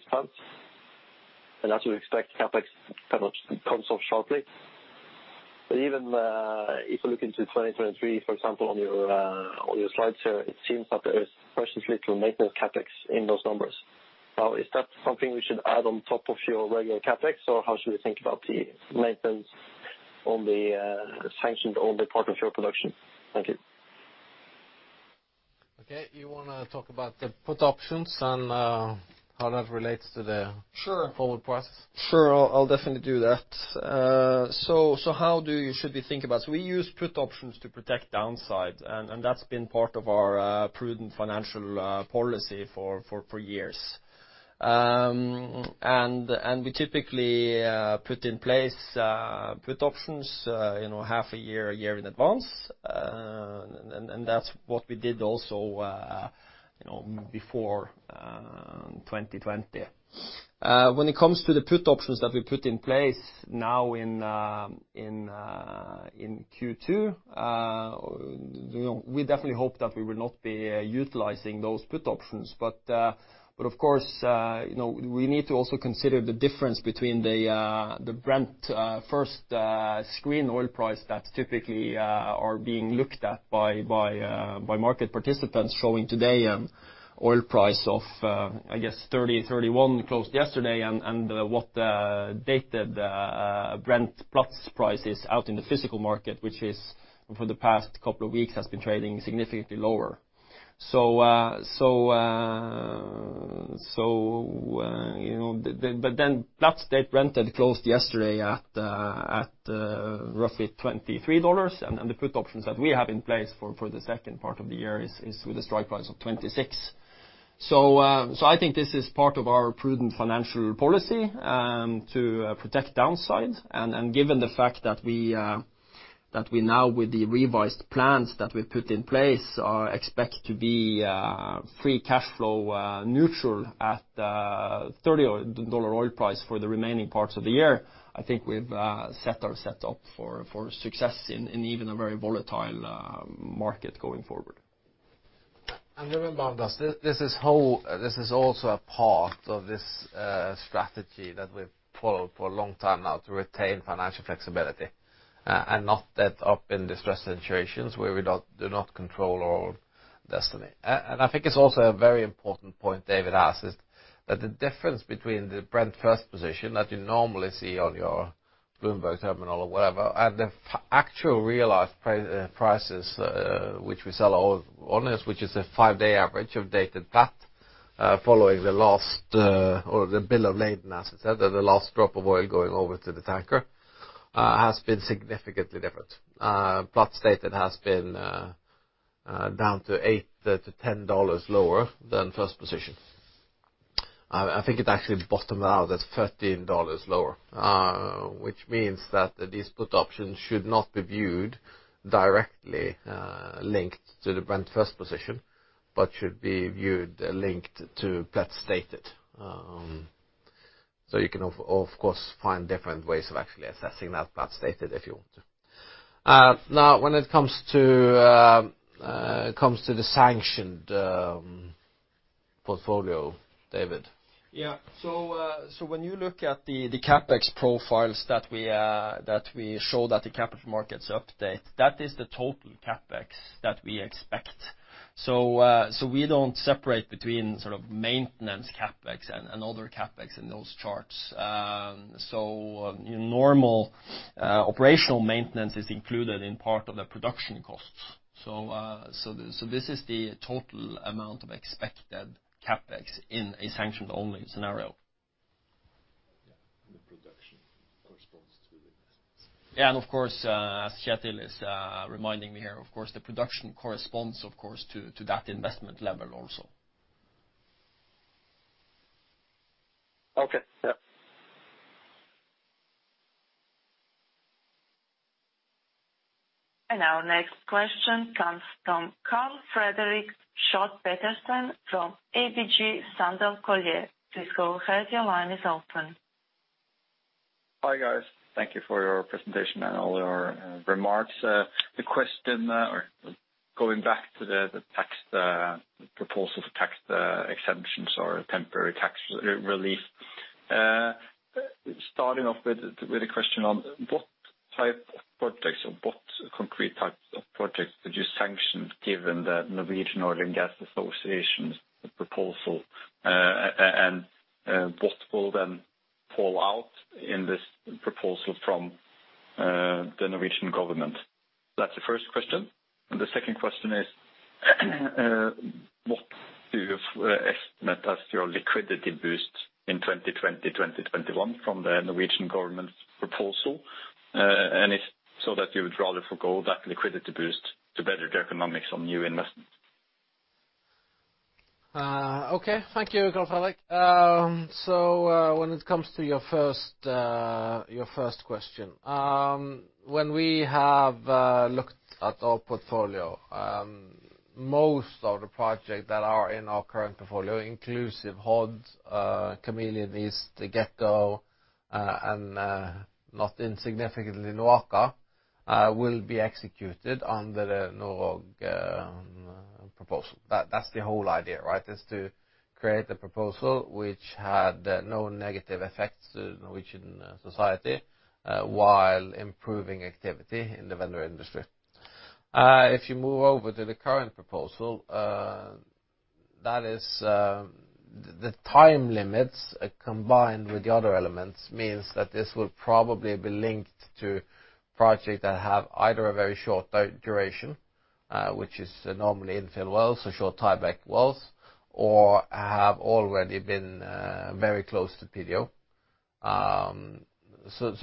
spends. As you expect, CapEx kind of comes off sharply. Even if you look into 2023, for example, on your slides here, it seems that there is virtually little maintenance CapEx in those numbers. Is that something we should add on top of your regular CapEx, or how should we think about the maintenance on the sanctioned-only part of your production? Thank you. Okay. You wanna talk about the put options and how that relates to the- Sure. ...forward prices? Sure, I'll definitely do that. We use put options to protect downside, and that's been part of our prudent financial policy for years. We typically put in place put options half a year, a year in advance. That's what we did also before 2020. When it comes to the put options that we put in place. Now in Q2, we definitely hope that we will not be utilizing those put options. Of course, we need to also consider the difference between the Brent First screen oil price that typically are being looked at by market participants showing today an oil price of, I guess $30, $31 closed yesterday, and what the Dated Brent plus price is out in the physical market, which for the past couple of weeks has been trading significantly lower. Platts Dated Brent closed yesterday at roughly $23, and the put options that we have in place for the second part of the year is with a strike price of $26. I think this is part of our prudent financial policy to protect downside, and given the fact that we now with the revised plans that we put in place, expect to be free cash flow neutral at $30 oil price for the remaining parts of the year. I think we've set ourselves up for success in even a very volatile market going forward. Remember, Anders, this is also a part of this strategy that we've followed for a long time now to retain financial flexibility, and not end up in distressed situations where we do not control our destiny. I think it's also a very important point David asked, is that the difference between the Brent First position that you normally see on your Bloomberg terminal or whatever, and the actual realized prices, which we sell oil on, which is a five-day average of dated Platts following the last or the bill of lading, as you said, or the last drop of oil going over to the tanker has been significantly different. Platts Dated has been down to $8-$10 lower than first position. I think it actually bottomed out at $13 lower, which means that these put options should not be viewed directly linked to the Brent First position but should be viewed linked to Platts stated. You can of course, find different ways of actually assessing that Platts stated if you want to. When it comes to the sanctioned portfolio, David? Yeah. When you look at the CapEx profiles that we show that the Capital Markets Update, that is the total CapEx that we expect. We don't separate between sort of maintenance CapEx and other CapEx in those charts. Normal operational maintenance is included in part of the production costs. This is the total amount of expected CapEx in a sanctioned only scenario. Yeah. The production corresponds to the investments. Yeah. Of course, as Kjetil is reminding me here, of course, the production corresponds, of course, to that investment level also. Okay. Yeah. Our next question comes from Karl Fredrik Schjøtt-Pedersen from ABG Sundal Collier. Please go ahead, your line is open. Hi, guys. Thank you for your presentation and all your remarks. The question or going back to the proposal for tax exemptions or temporary tax relief. Starting off with a question on what type of projects or what concrete types of projects would you sanction given the Norwegian Oil and Gas Association's proposal, and what will then fall out in this proposal from the Norwegian government? That's the first question. The second question is what do you estimate as your liquidity boost in 2020, 2021 from the Norwegian government's proposal? If so, that you would rather forgo that liquidity boost to better the economics on new investments. Okay. Thank you, Karl Fredrik. When it comes to your first question, when we have looked at our portfolio, most of the projects that are in our current portfolio, inclusive Hod, East Kameleon, Gekko, and not insignificantly NOAKA, will be executed under the Norway proposal. That's the whole idea, right? Is to create a proposal which had no negative effects to Norwegian society while improving activity in the vendor industry. If you move over to the current proposal, the time limits combined with the other elements means that this will probably be linked to projects that have either a very short duration, which is normally infill wells or short tieback wells or have already been very close to PDO.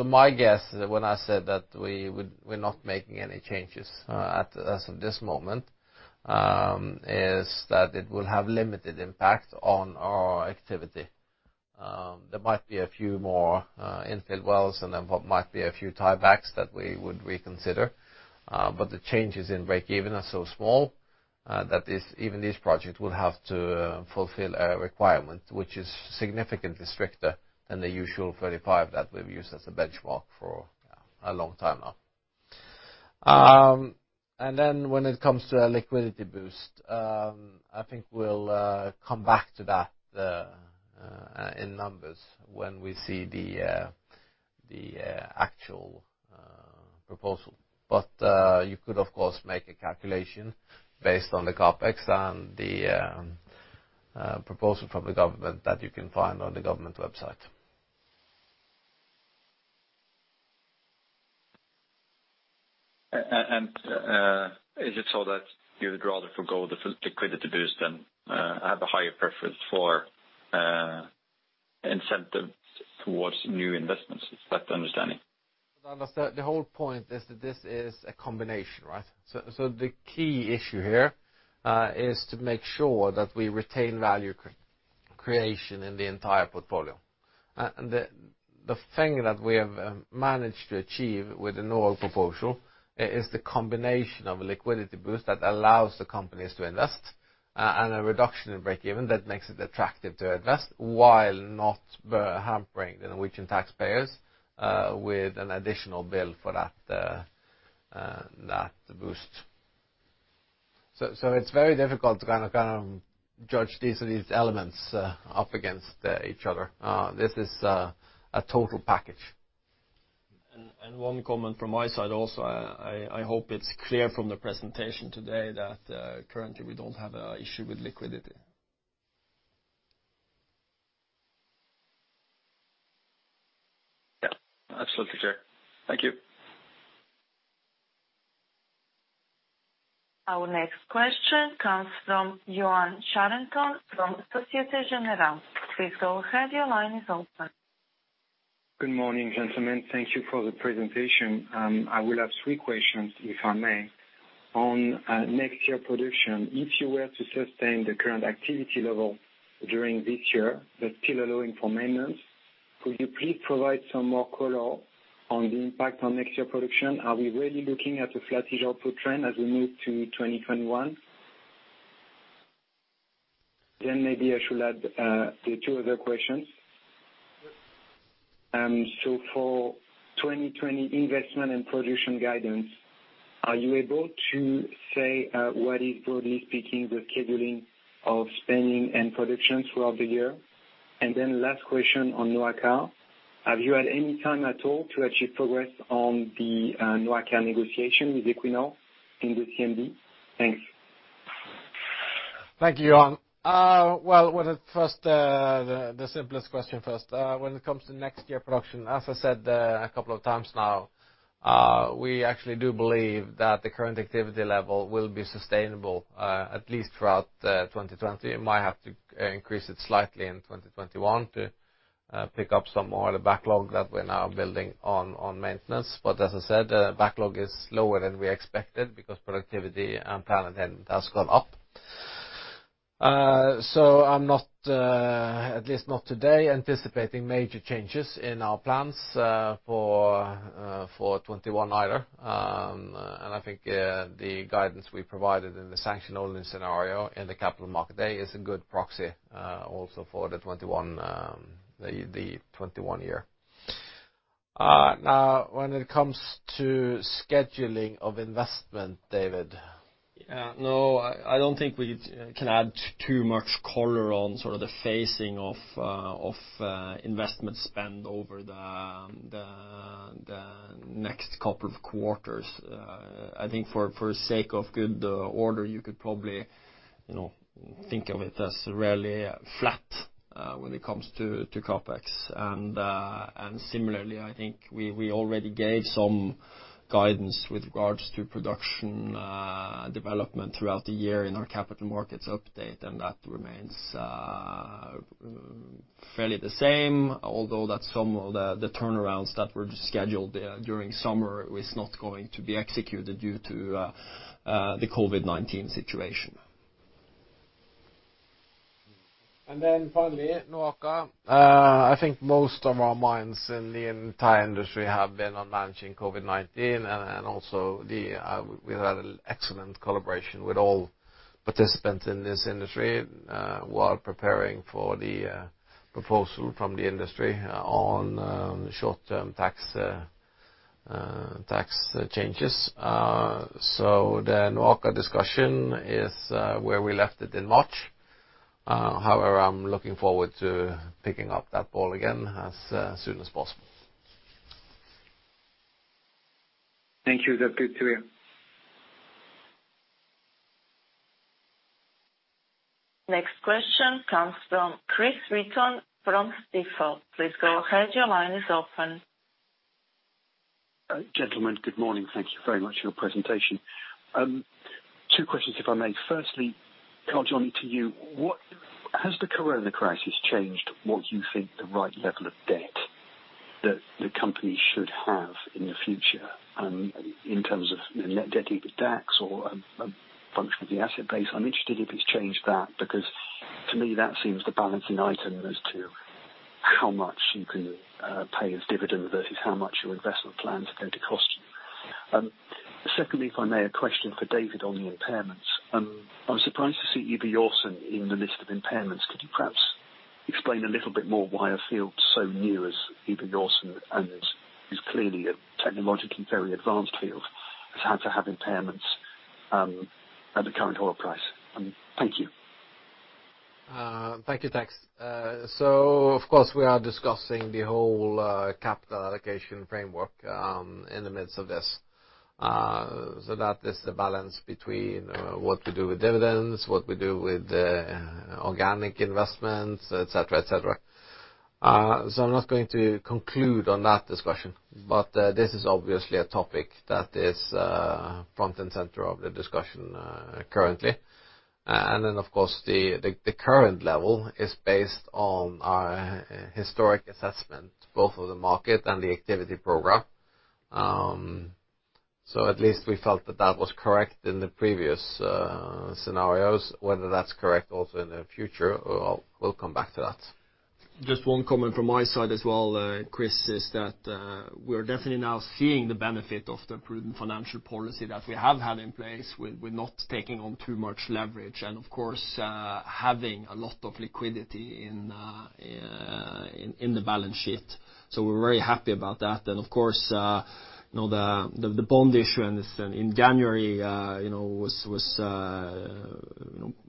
My guess when I said that we're not making any changes as of this moment, is that it will have limited impact on our activity. There might be a few more infill wells and then what might be a few tiebacks that we would reconsider. The changes in breakeven are so small That even this project will have to fulfill a requirement which is significantly stricter than the usual 35 that we've used as a benchmark for a long time now. When it comes to a liquidity boost, I think we'll come back to that in numbers when we see the actual proposal. You could, of course, make a calculation based on the CapEx and the proposal from the government that you can find on the government website. Is it so that you would rather forgo the liquidity boost than have a higher preference for incentives towards new investments? Is that the understanding? The whole point is that this is a combination, right? The key issue here is to make sure that we retain value creation in the entire portfolio. The thing that we have managed to achieve with the NOROG proposal is the combination of a liquidity boost that allows the companies to invest and a reduction in break even that makes it attractive to invest while not hampering the Norwegian taxpayers with an additional bill for that boost. It's very difficult to judge these elements up against each other. This is a total package. One comment from my side also, I hope it's clear from the presentation today that currently we don't have an issue with liquidity. Yeah, absolutely fair. Thank you. Our next question comes from Yoann Charenton from Société Générale. Please go ahead. Your line is open. Good morning, gentlemen. Thank you for the presentation. I will have three questions, if I may. If you were to sustain the current activity level during this year, but still allowing for maintenance, could you please provide some more color on the impact on next year production? Are we really looking at a flat-ish output trend as we move to 2021? Maybe I should add the two other questions. Yes. For 2020 investment and production guidance, are you able to say what is, broadly speaking, the scheduling of spending and production throughout the year? Last question on NOAKA. Have you had any time at all to achieve progress on the NOAKA negotiation with Equinor in the [TMB]? Thanks. Thank you, Yoann. Well, the simplest question first. When it comes to next year production, as I said a couple of times now, we actually do believe that the current activity level will be sustainable at least throughout 2020. We might have to increase it slightly in 2021 to pick up some more of the backlog that we're now building on maintenance. As I said, the backlog is lower than we expected because productivity and plan ahead has gone up. I'm not, at least not today, anticipating major changes in our plans for 2021 either. I think the guidance we provided in the sanction only scenario in the Capital Market Day is a good proxy also for the 2021 year. When it comes to scheduling of investment, David? No, I don't think we can add too much color on sort of the phasing of investment spend over the next couple of quarters. I think for sake of good order, you could probably think of it as really flat when it comes to CapEx. Similarly, I think we already gave some guidance with regards to production development throughout the year in our Capital Markets Update, and that remains fairly the same, although that some of the turnarounds that were scheduled during summer is not going to be executed due to the COVID-19 situation. Finally, NOAKA. I think most of our minds in the entire industry have been on managing COVID-19 and also we've had an excellent collaboration with all participants in this industry while preparing for the proposal from the industry on short-term tax changes. The NOAKA discussion is where we left it in March. However, I'm looking forward to picking up that ball again as soon as possible. Thank you. That's good to hear. Next question comes from Chris Wheaton from Stifel. Please go ahead. Your line is open. Gentlemen, good morning. Thank you very much for your presentation. Two questions, if I may. Firstly, Karl Johnny, to you, has the corona crisis changed what you think the right level of debt that the company should have in the future in terms of net debt/EBITDA or a function of the asset base? I'm interested if it's changed that, because to me, that seems the balancing item in those two. How much you can pay as dividend versus how much your investment plan is going to cost you. Secondly, if I may, a question for David on the impairments. I was surprised to see Ivar Aasen in the list of impairments. Could you perhaps explain a little bit more why a field so new as Ivar Aasen and is clearly a technologically very advanced field, had to have impairments at the current oil price? Thank you. Thank you, Chris. Of course, we are discussing the whole capital allocation framework in the midst of this. That is the balance between what we do with dividends, what we do with organic investments, etc. I'm not going to conclude on that discussion, but this is obviously a topic that is front and center of the discussion currently. Of course, the current level is based on our historic assessment, both of the market and the activity program. At least we felt that that was correct in the previous scenarios. Whether that's correct also in the future, we'll come back to that. Just one comment from my side as well, Chris, is that we're definitely now seeing the benefit of the prudent financial policy that we have had in place with not taking on too much leverage and of course, having a lot of liquidity in the balance sheet. We're very happy about that. Of course, the bond issuance in January was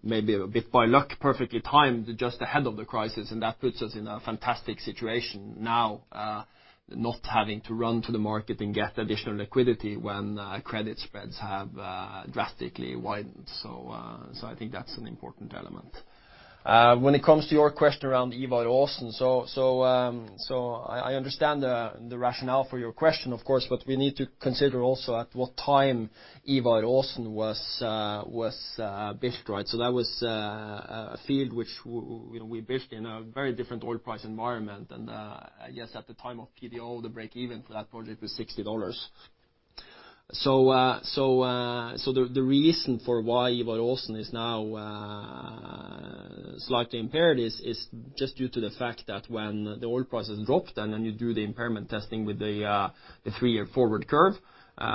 maybe a bit by luck, perfectly timed just ahead of the crisis, and that puts us in a fantastic situation now, not having to run to the market and get additional liquidity when credit spreads have drastically widened. I think that's an important element. When it comes to your question around Ivar Aasen, I understand the rationale for your question, of course, we need to consider also at what time Ivar Aasen was bid. That was a field which we bid in a very different oil price environment. Yes, at the time of PDO, the break-even for that project was $60. The reason for why Ivar Aasen is now slightly impaired is just due to the fact that when the oil prices dropped, and then you do the impairment testing with the three-year forward curve, a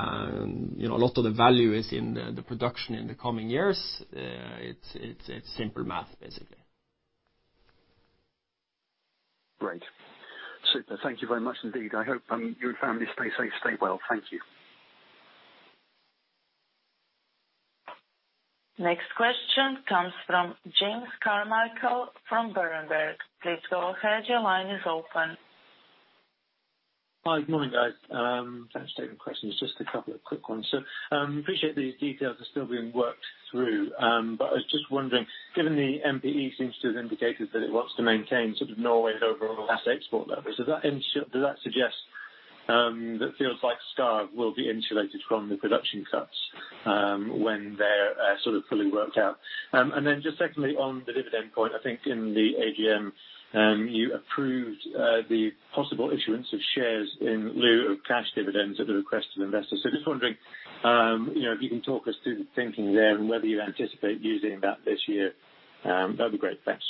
lot of the value is in the production in the coming years. It's simple math, basically. Great. Super. Thank you very much indeed. I hope you and family stay safe, stay well. Thank you. Next question comes from James Carmichael from Berenberg. Please go ahead. Your line is open. Hi. Good morning, guys. Thanks for taking the questions. Just a couple of quick ones. Appreciate these details are still being worked through, but I was just wondering, given the MPE seems to have indicated that it wants to maintain Norway's overall asset export levels, does that suggest that fields like Skarv will be insulated from the production cuts when they're sort of fully worked out? Just secondly, on the dividend point, I think in the AGM, you approved the possible issuance of shares in lieu of cash dividends at the request of investors. Just wondering if you can talk us through the thinking there and whether you anticipate using that this year. That'd be great. Thanks.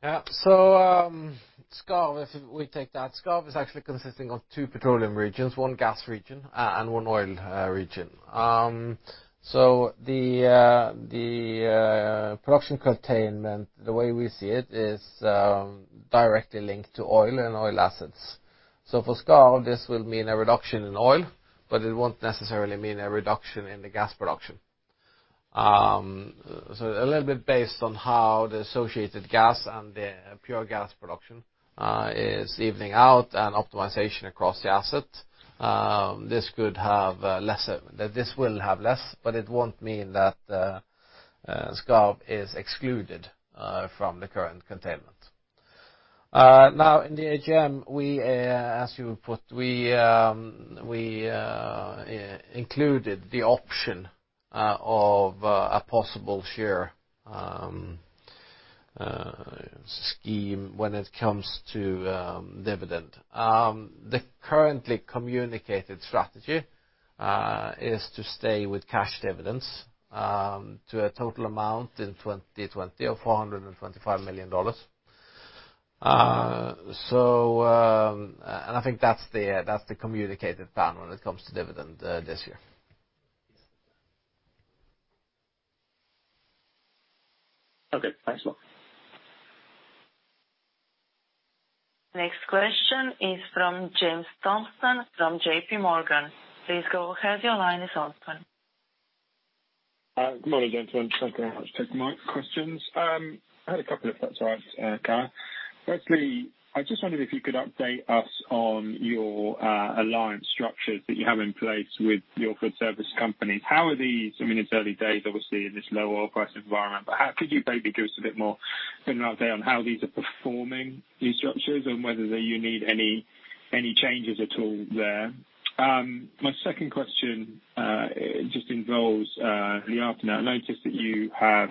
Skarv, if we take that. Skarv is actually consisting of two petroleum regions, one gas region and one oil region. The production containment, the way we see it, is directly linked to oil and oil assets. For Skarv, this will mean a reduction in oil, but it won't necessarily mean a reduction in the gas production. A little bit based on how the associated gas and the pure gas production is evening out and optimization across the asset. This will have less, but it won't mean that Skarv is excluded from the current containment. In the AGM, as you put, we included the option of a possible share scheme when it comes to dividend. The currently communicated strategy is to stay with cash dividends to a total amount in 2020 of $425 million. I think that's the communicated plan when it comes to dividend this year. Okay. Thanks a lot. Next question is from James Thompson from JPMorgan. Please go ahead. Your line is open. Good morning, gentlemen. Thank you very much for taking my questions. I had a couple, if that's all right, Karl. Firstly, I just wondered if you could update us on your alliance structures that you have in place with your field service companies. How are these, I mean, it's early days, obviously, in this low oil price environment, but could you maybe give us a bit more of an update on how these are performing, these structures, and whether you need any changes at all there? My second question just involves the Nidhogg that you have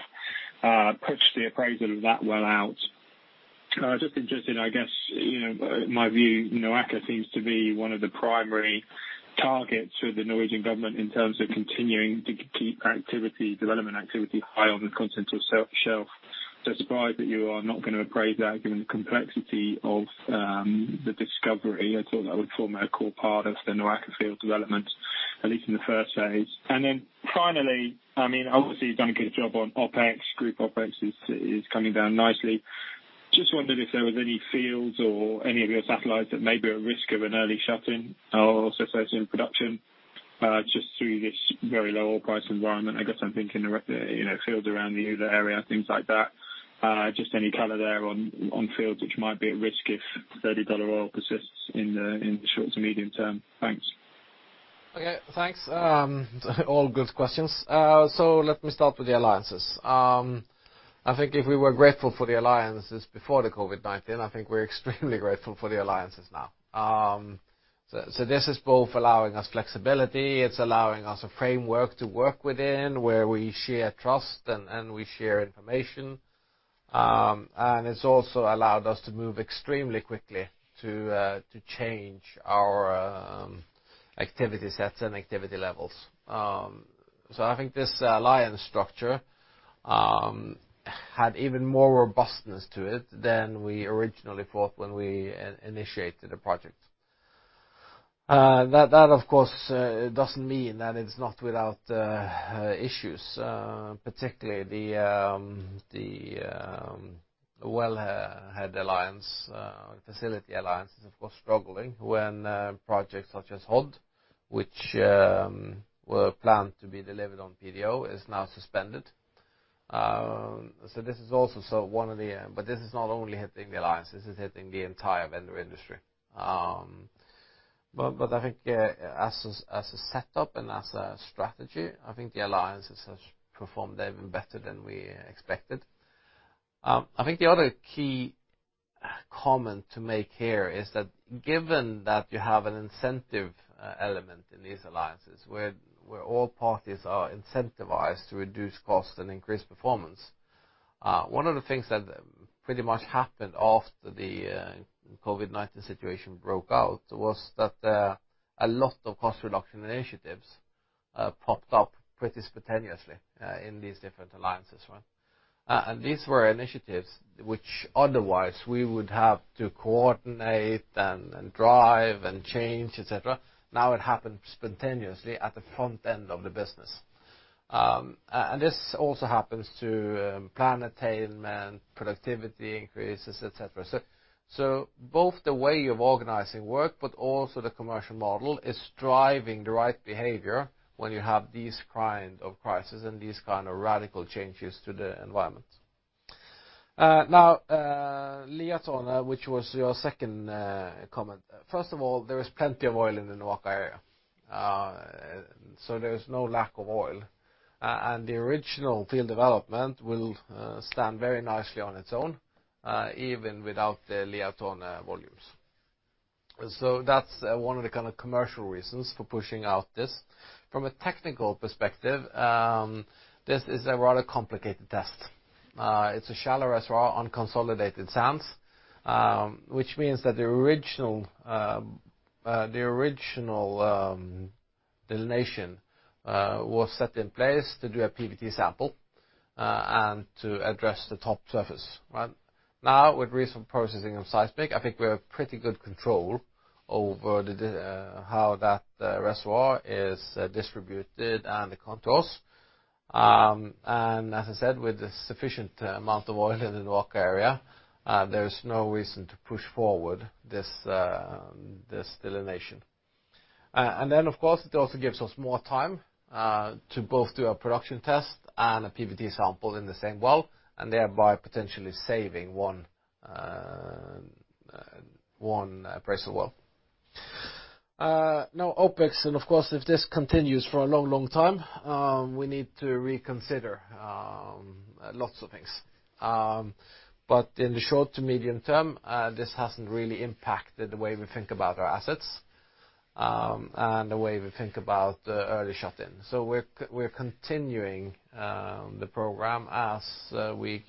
pushed the appraisal of that well out. Just interested, I guess, my view, Aker BP seems to be one of the primary targets for the Norwegian government in terms of continuing to keep development activity high on the Norwegian Continental Shelf. Surprised that you are not going to appraise that, given the complexity of the discovery. I thought that would form a core part of the NOAKA field development, at least in the first phase. Finally, obviously, you've done a good job on OpEx. Group OpEx is coming down nicely. Just wondered if there was any fields or any of your satellites that may be at risk of an early shut-in or cease production, just through this very low oil price environment. I guess I'm thinking the fields around the Ula area, things like that. Just any color there on fields which might be at risk if $30 oil persists in the short to medium term. Thanks. Okay, thanks. All good questions. Let me start with the alliances. I think if we were grateful for the alliances before the COVID-19, I think we're extremely grateful for the alliances now. This is both allowing us flexibility, it's allowing us a framework to work within where we share trust and we share information. It's also allowed us to move extremely quickly to change our activity sets and activity levels. I think this alliance structure had even more robustness to it than we originally thought when we initiated the project. That, of course, doesn't mean that it's not without issues. Particularly the well head alliance, facility alliances, of course, struggling when projects such as Hod, which were planned to be delivered on PDO, is now suspended. This is not only hitting the alliance, this is hitting the entire vendor industry. I think as a setup and as a strategy, I think the alliances have performed even better than we expected. I think the other key comment to make here is that given that you have an incentive element in these alliances, where all parties are incentivized to reduce cost and increase performance. One of the things that pretty much happened after the COVID-19 situation broke out was that a lot of cost reduction initiatives popped up pretty spontaneously in these different alliances. These were initiatives which otherwise we would have to coordinate and drive and change, etc. Now it happened spontaneously at the front end of the business. This also happens to plan attainment, productivity increases, etc. Both the way of organizing work, but also the commercial model is driving the right behavior when you have these kind of crisis and these kind of radical changes to the environment. Now, Liatårnet, which was your second comment. First of all, there is plenty of oil in the NOAKA area. There is no lack of oil. The original field development will stand very nicely on its own, even without the Liatårnet volumes. That's one of the commercial reasons for pushing out this. From a technical perspective, this is a rather complicated test. It's a shallow reservoir on consolidated sands, which means that the original delineation was set in place to do a PVT sample, and to address the top surface. Now, with recent processing of seismic, I think we have pretty good control over how that reservoir is distributed and the contours. As I said, with the sufficient amount of oil in the NOAKA area, there is no reason to push forward this delineation. Of course, it also gives us more time to both do a production test and a PVT sample in the same well, and thereby potentially saving one appraisal well. Now, OpEx, and of course, if this continues for a long, long time, we need to reconsider lots of things. In the short to medium term, this hasn't really impacted the way we think about our assets, and the way we think about early shut-in. We're continuing the program as we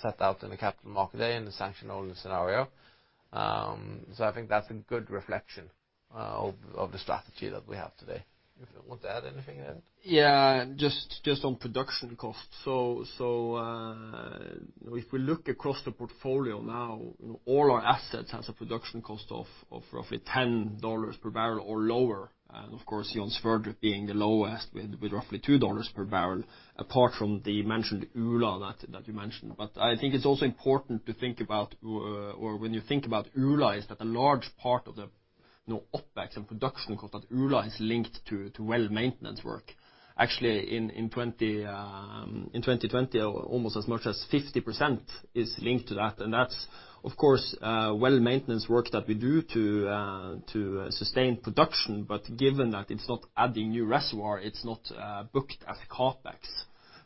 set out in the Capital Market Day in the sanction only scenario. I think that's a good reflection of the strategy that we have today. If you want to add anything, David? Just on production cost. If we look across the portfolio now, all our assets has a production cost of roughly $10/bbl or lower. Of course, Johan Sverdrup being the lowest with roughly $2/bbl, apart from the mentioned Ula that you mentioned. I think it's also important to think about, or when you think about Ula, is that a large part of the OpEx and production cost at Ula is linked to well maintenance work. Actually in 2020, almost as much as 50% is linked to that. That's, of course, well maintenance work that we do to sustain production, but given that it's not adding new reservoir, it's not booked as CapEx.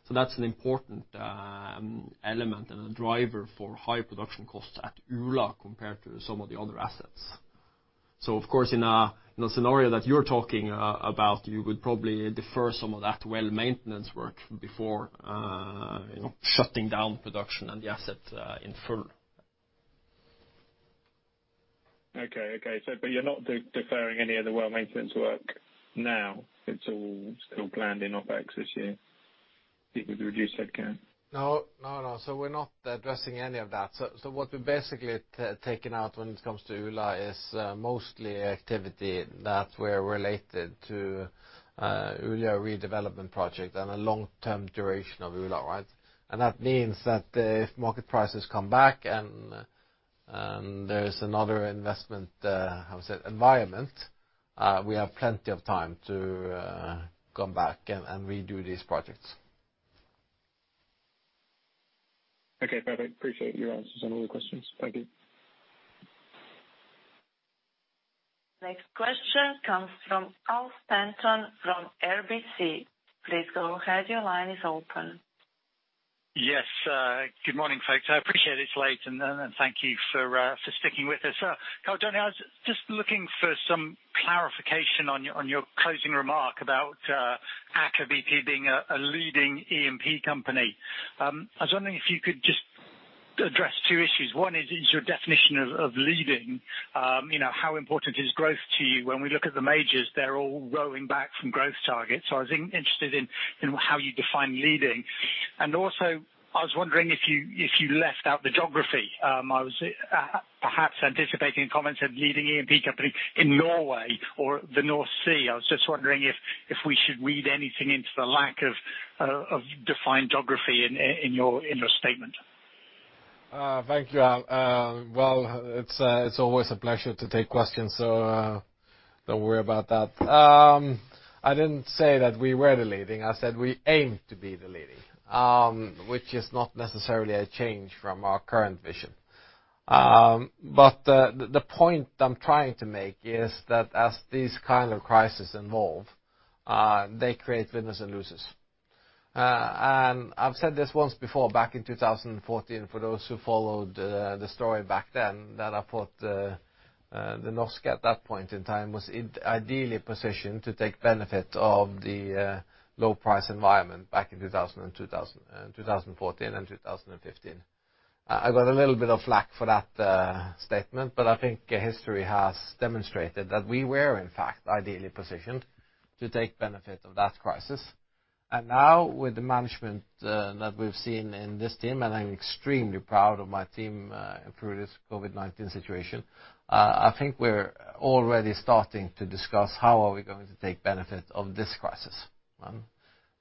That's an important element and a driver for high production cost at Ula compared to some of the other assets. Of course, in a scenario that you're talking about, you would probably defer some of that well maintenance work before shutting down production and the asset in full. Okay. You're not deferring any of the well maintenance work now? It's all still planned in OpEx this year, even with the reduced headcount? No. We're not addressing any of that. What we're basically taking out when it comes to Ula is mostly activity that were related to Ula redevelopment project and a long-term duration of Ula. That means that if market prices come back and there's another investment, how to say, environment, we have plenty of time to come back and redo these projects. Okay, perfect. Appreciate your answers on all the questions. Thank you. Next question comes from Al Stanton from RBC. Please go ahead, your line is open. Yes. Good morning, folks. I appreciate it's late, and thank you for sticking with us. Karl Johnny, I was just looking for some clarification on your closing remark about Aker BP being a leading E&P company. I was wondering if you could just address two issues. One is your definition of leading. How important is growth to you? When we look at the majors, they're all rowing back from growth targets. I was interested in how you define leading. Also, I was wondering if you left out the geography. I was perhaps anticipating comments of leading E&P company in Norway or the North Sea. I was just wondering if we should read anything into the lack of defined geography in your statement. Thank you, Al. Well, it's always a pleasure to take questions, so don't worry about that. I didn't say that we were the leading, I said we aim to be the leading. Which is not necessarily a change from our current vision. The point I'm trying to make is that as these kind of crises evolve, they create winners and losers. I've said this once before, back in 2014, for those who followed the story back then, that I thought Det norske, at that point in time, was ideally positioned to take benefit of the low price environment back in 2014 and 2015. I got a little bit of flak for that statement, I think history has demonstrated that we were, in fact, ideally positioned to take benefit of that crisis. Now, with the management that we've seen in this team, I'm extremely proud of my team through this COVID-19 situation, I think we're already starting to discuss how are we going to take benefit of this crisis.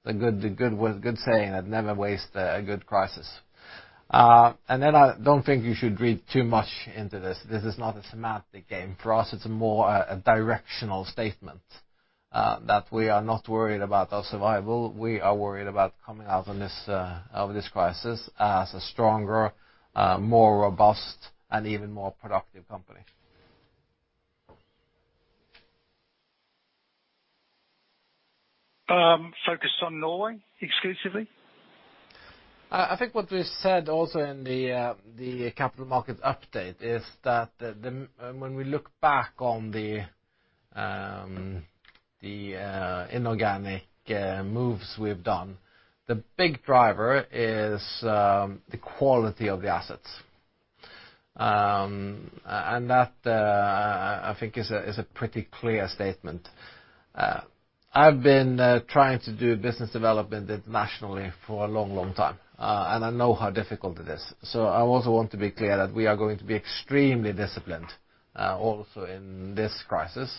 The good saying that never waste a good crisis. I don't think you should read too much into this. This is not a semantic game. For us, it's more a directional statement, that we are not worried about our survival. We are worried about coming out of this crisis as a stronger, more robust, and even more productive company. Focused on Norway exclusively? I think what we said also in the Capital Markets Update is that when we look back on the inorganic moves we've done, the big driver is the quality of the assets. That, I think, is a pretty clear statement. I've been trying to do business development internationally for a long time, and I know how difficult it is. I also want to be clear that we are going to be extremely disciplined also in this crisis,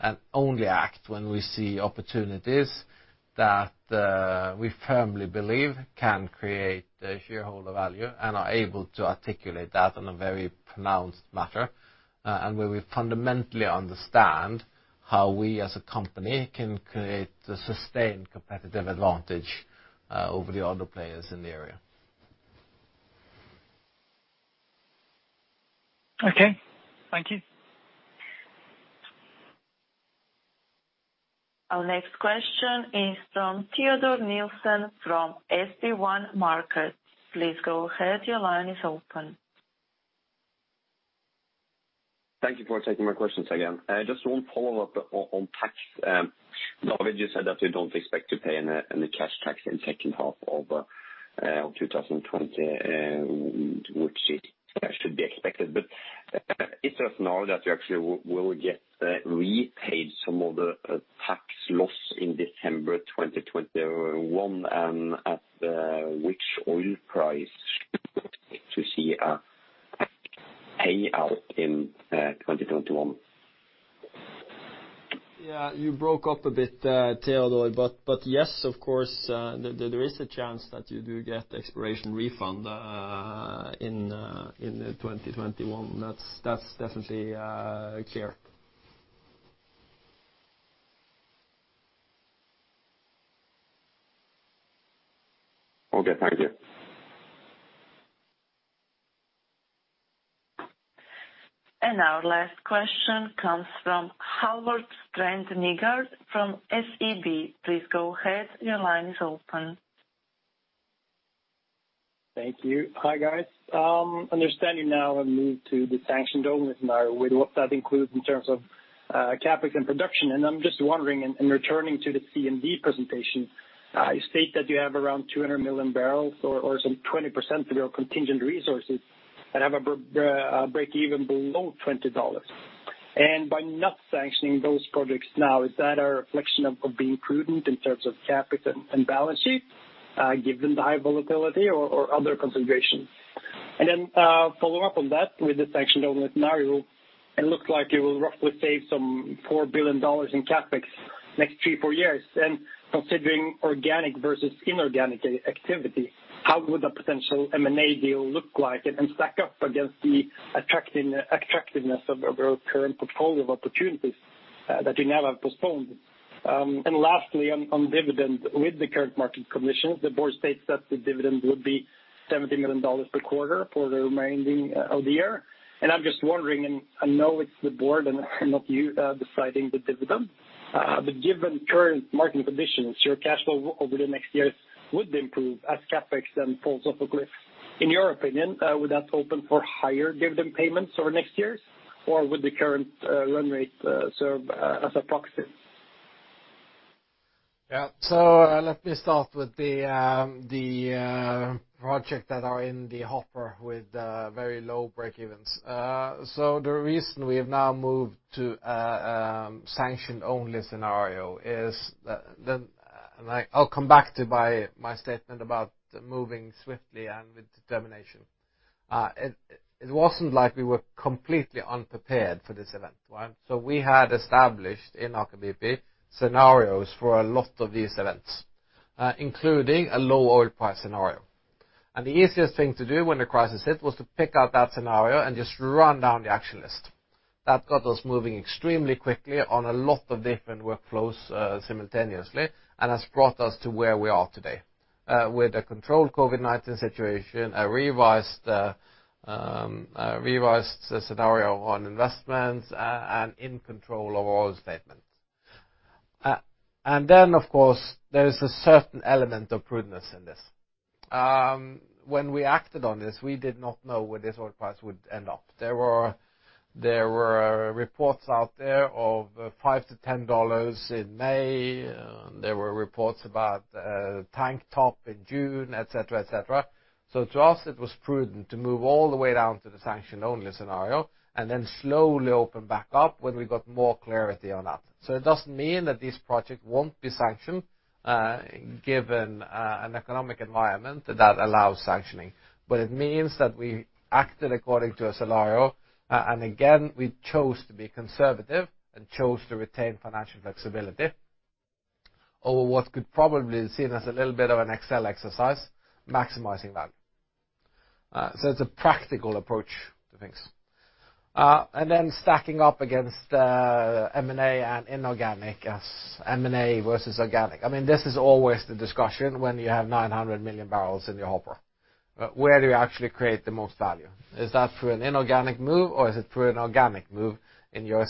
and only act when we see opportunities that we firmly believe can create shareholder value and are able to articulate that in a very pronounced matter. Where we fundamentally understand how we as a company can create a sustained competitive advantage over the other players in the area. Okay. Thank you. Our next question is from Teodor Sveen-Nilsen from SB1 Markets. Please go ahead, your line is open. Thank you for taking my questions again. Just one follow-up on tax. Now that you said that you don't expect to pay any cash tax in the second half of 2020, which should be expected. Is it now that you actually will get repaid some of the tax loss in December 2021, and at which oil price to see a pay out in 2021? Yeah, you broke up a bit, Teodor. Yes, of course, there is a chance that you do get exploration refund in 2021. That's definitely clear. Okay. Thank you. Our last question comes from Halvor Strand Nygård from SEB. Please go ahead, your line is open. Thank you. Hi, guys. Understanding now the move to the sanctioned only scenario, what that includes in terms of CapEx and production. I'm just wondering in returning to the CMD presentation. You state that you have around 200 MMbbl or some 20% of your contingent resources that have a breakeven below $20. By not sanctioning those projects now, is that a reflection of being prudent in terms of CapEx and balance sheet, given the high volatility or other considerations? Follow up on that with the sanction-only scenario, it looks like you will roughly save some $4 billion in CapEx next three, four years. Considering organic versus inorganic activity, how would a potential M&A deal look like and stack up against the attractiveness of your current portfolio of opportunities that you now have postponed? Lastly, on dividend. With the current market conditions, the board states that the dividend would be $70 million per quarter for the remaining of the year. I'm just wondering, and I know it's the board and not you deciding the dividend. Given current market conditions, your cash flow over the next years would improve as CapEx then falls off a cliff. In your opinion, would that open for higher dividend payments over the next years, or would the current run rate serve as a proxy? Yeah. Let me start with the project that are in the hopper with very low breakevens. The reason we have now moved to a sanction-only scenario is that, and I'll come back to my statement about moving swiftly and with determination. It wasn't like we were completely unprepared for this event, right? We had established in Aker BP scenarios for a lot of these events, including a low oil price scenario. The easiest thing to do when the crisis hit was to pick out that scenario and just run down the action list. That got us moving extremely quickly on a lot of different workflows simultaneously and has brought us to where we are today. With a controlled COVID-19 situation, a revised scenario on investments, and in control of our statements. Of course, there is a certain element of prudence in this. When we acted on this, we did not know where this oil price would end up. There were reports out there of $5-$10 in May. There were reports about tank top in June, etc. To us, it was prudent to move all the way down to the sanction-only scenario and then slowly open back up when we got more clarity on that. It doesn't mean that this project won't be sanctioned, given an economic environment that allows sanctioning. It means that we acted according to a scenario. Again, we chose to be conservative and chose to retain financial flexibility over what could probably be seen as a little bit of an Excel exercise, maximizing value. Then stacking up against M&A and inorganic, M&A versus organic. This is always the discussion when you have 900 MMbbl in your hopper. Where do you actually create the most value? Is that through an inorganic move or is it through an organic move in your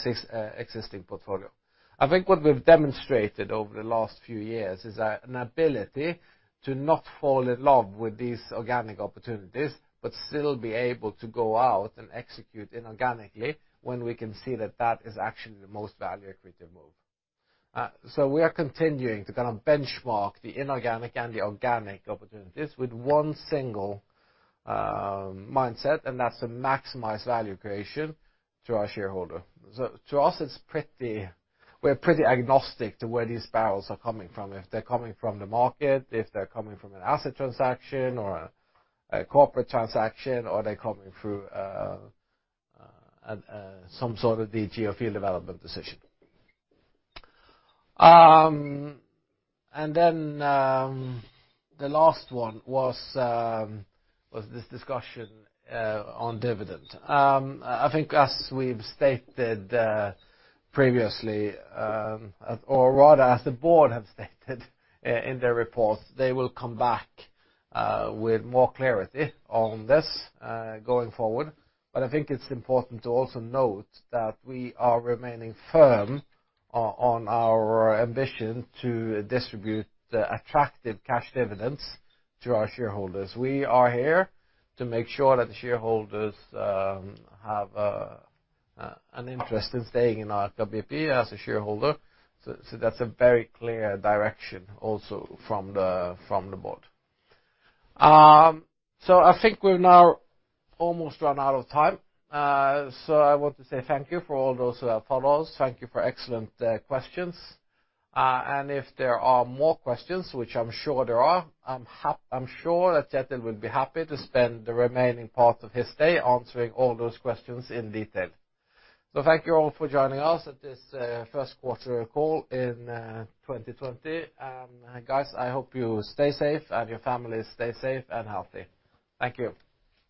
existing portfolio? I think what we've demonstrated over the last few years is an ability to not fall in love with these organic opportunities, but still be able to go out and execute inorganically when we can see that that is actually the most value-accretive move. We are continuing to kind of benchmark the inorganic and the organic opportunities with one single mindset, and that's to maximize value creation to our shareholder. To us, we're pretty agnostic to where these barrels are coming from. If they're coming from the market, if they're coming from an asset transaction or a corporate transaction, or they're coming through some sort of PDO field development decision. The last one was this discussion on dividend. I think as we've stated previously or rather as the board have stated in their report, they will come back with more clarity on this going forward. I think it's important to also note that we are remaining firm on our ambition to distribute attractive cash dividends to our shareholders. We are here to make sure that the shareholders have an interest in staying in Aker BP as a shareholder. That's a very clear direction also from the board. I think we've now almost run out of time. I want to say thank you for all those who have followed us. Thank you for excellent questions. If there are more questions, which I'm sure there are, I'm sure that Kjetil will be happy to spend the remaining part of his day answering all those questions in detail. Thank you all for joining us at this first quarter call in 2020. Guys, I hope you stay safe and your families stay safe and healthy. Thank you.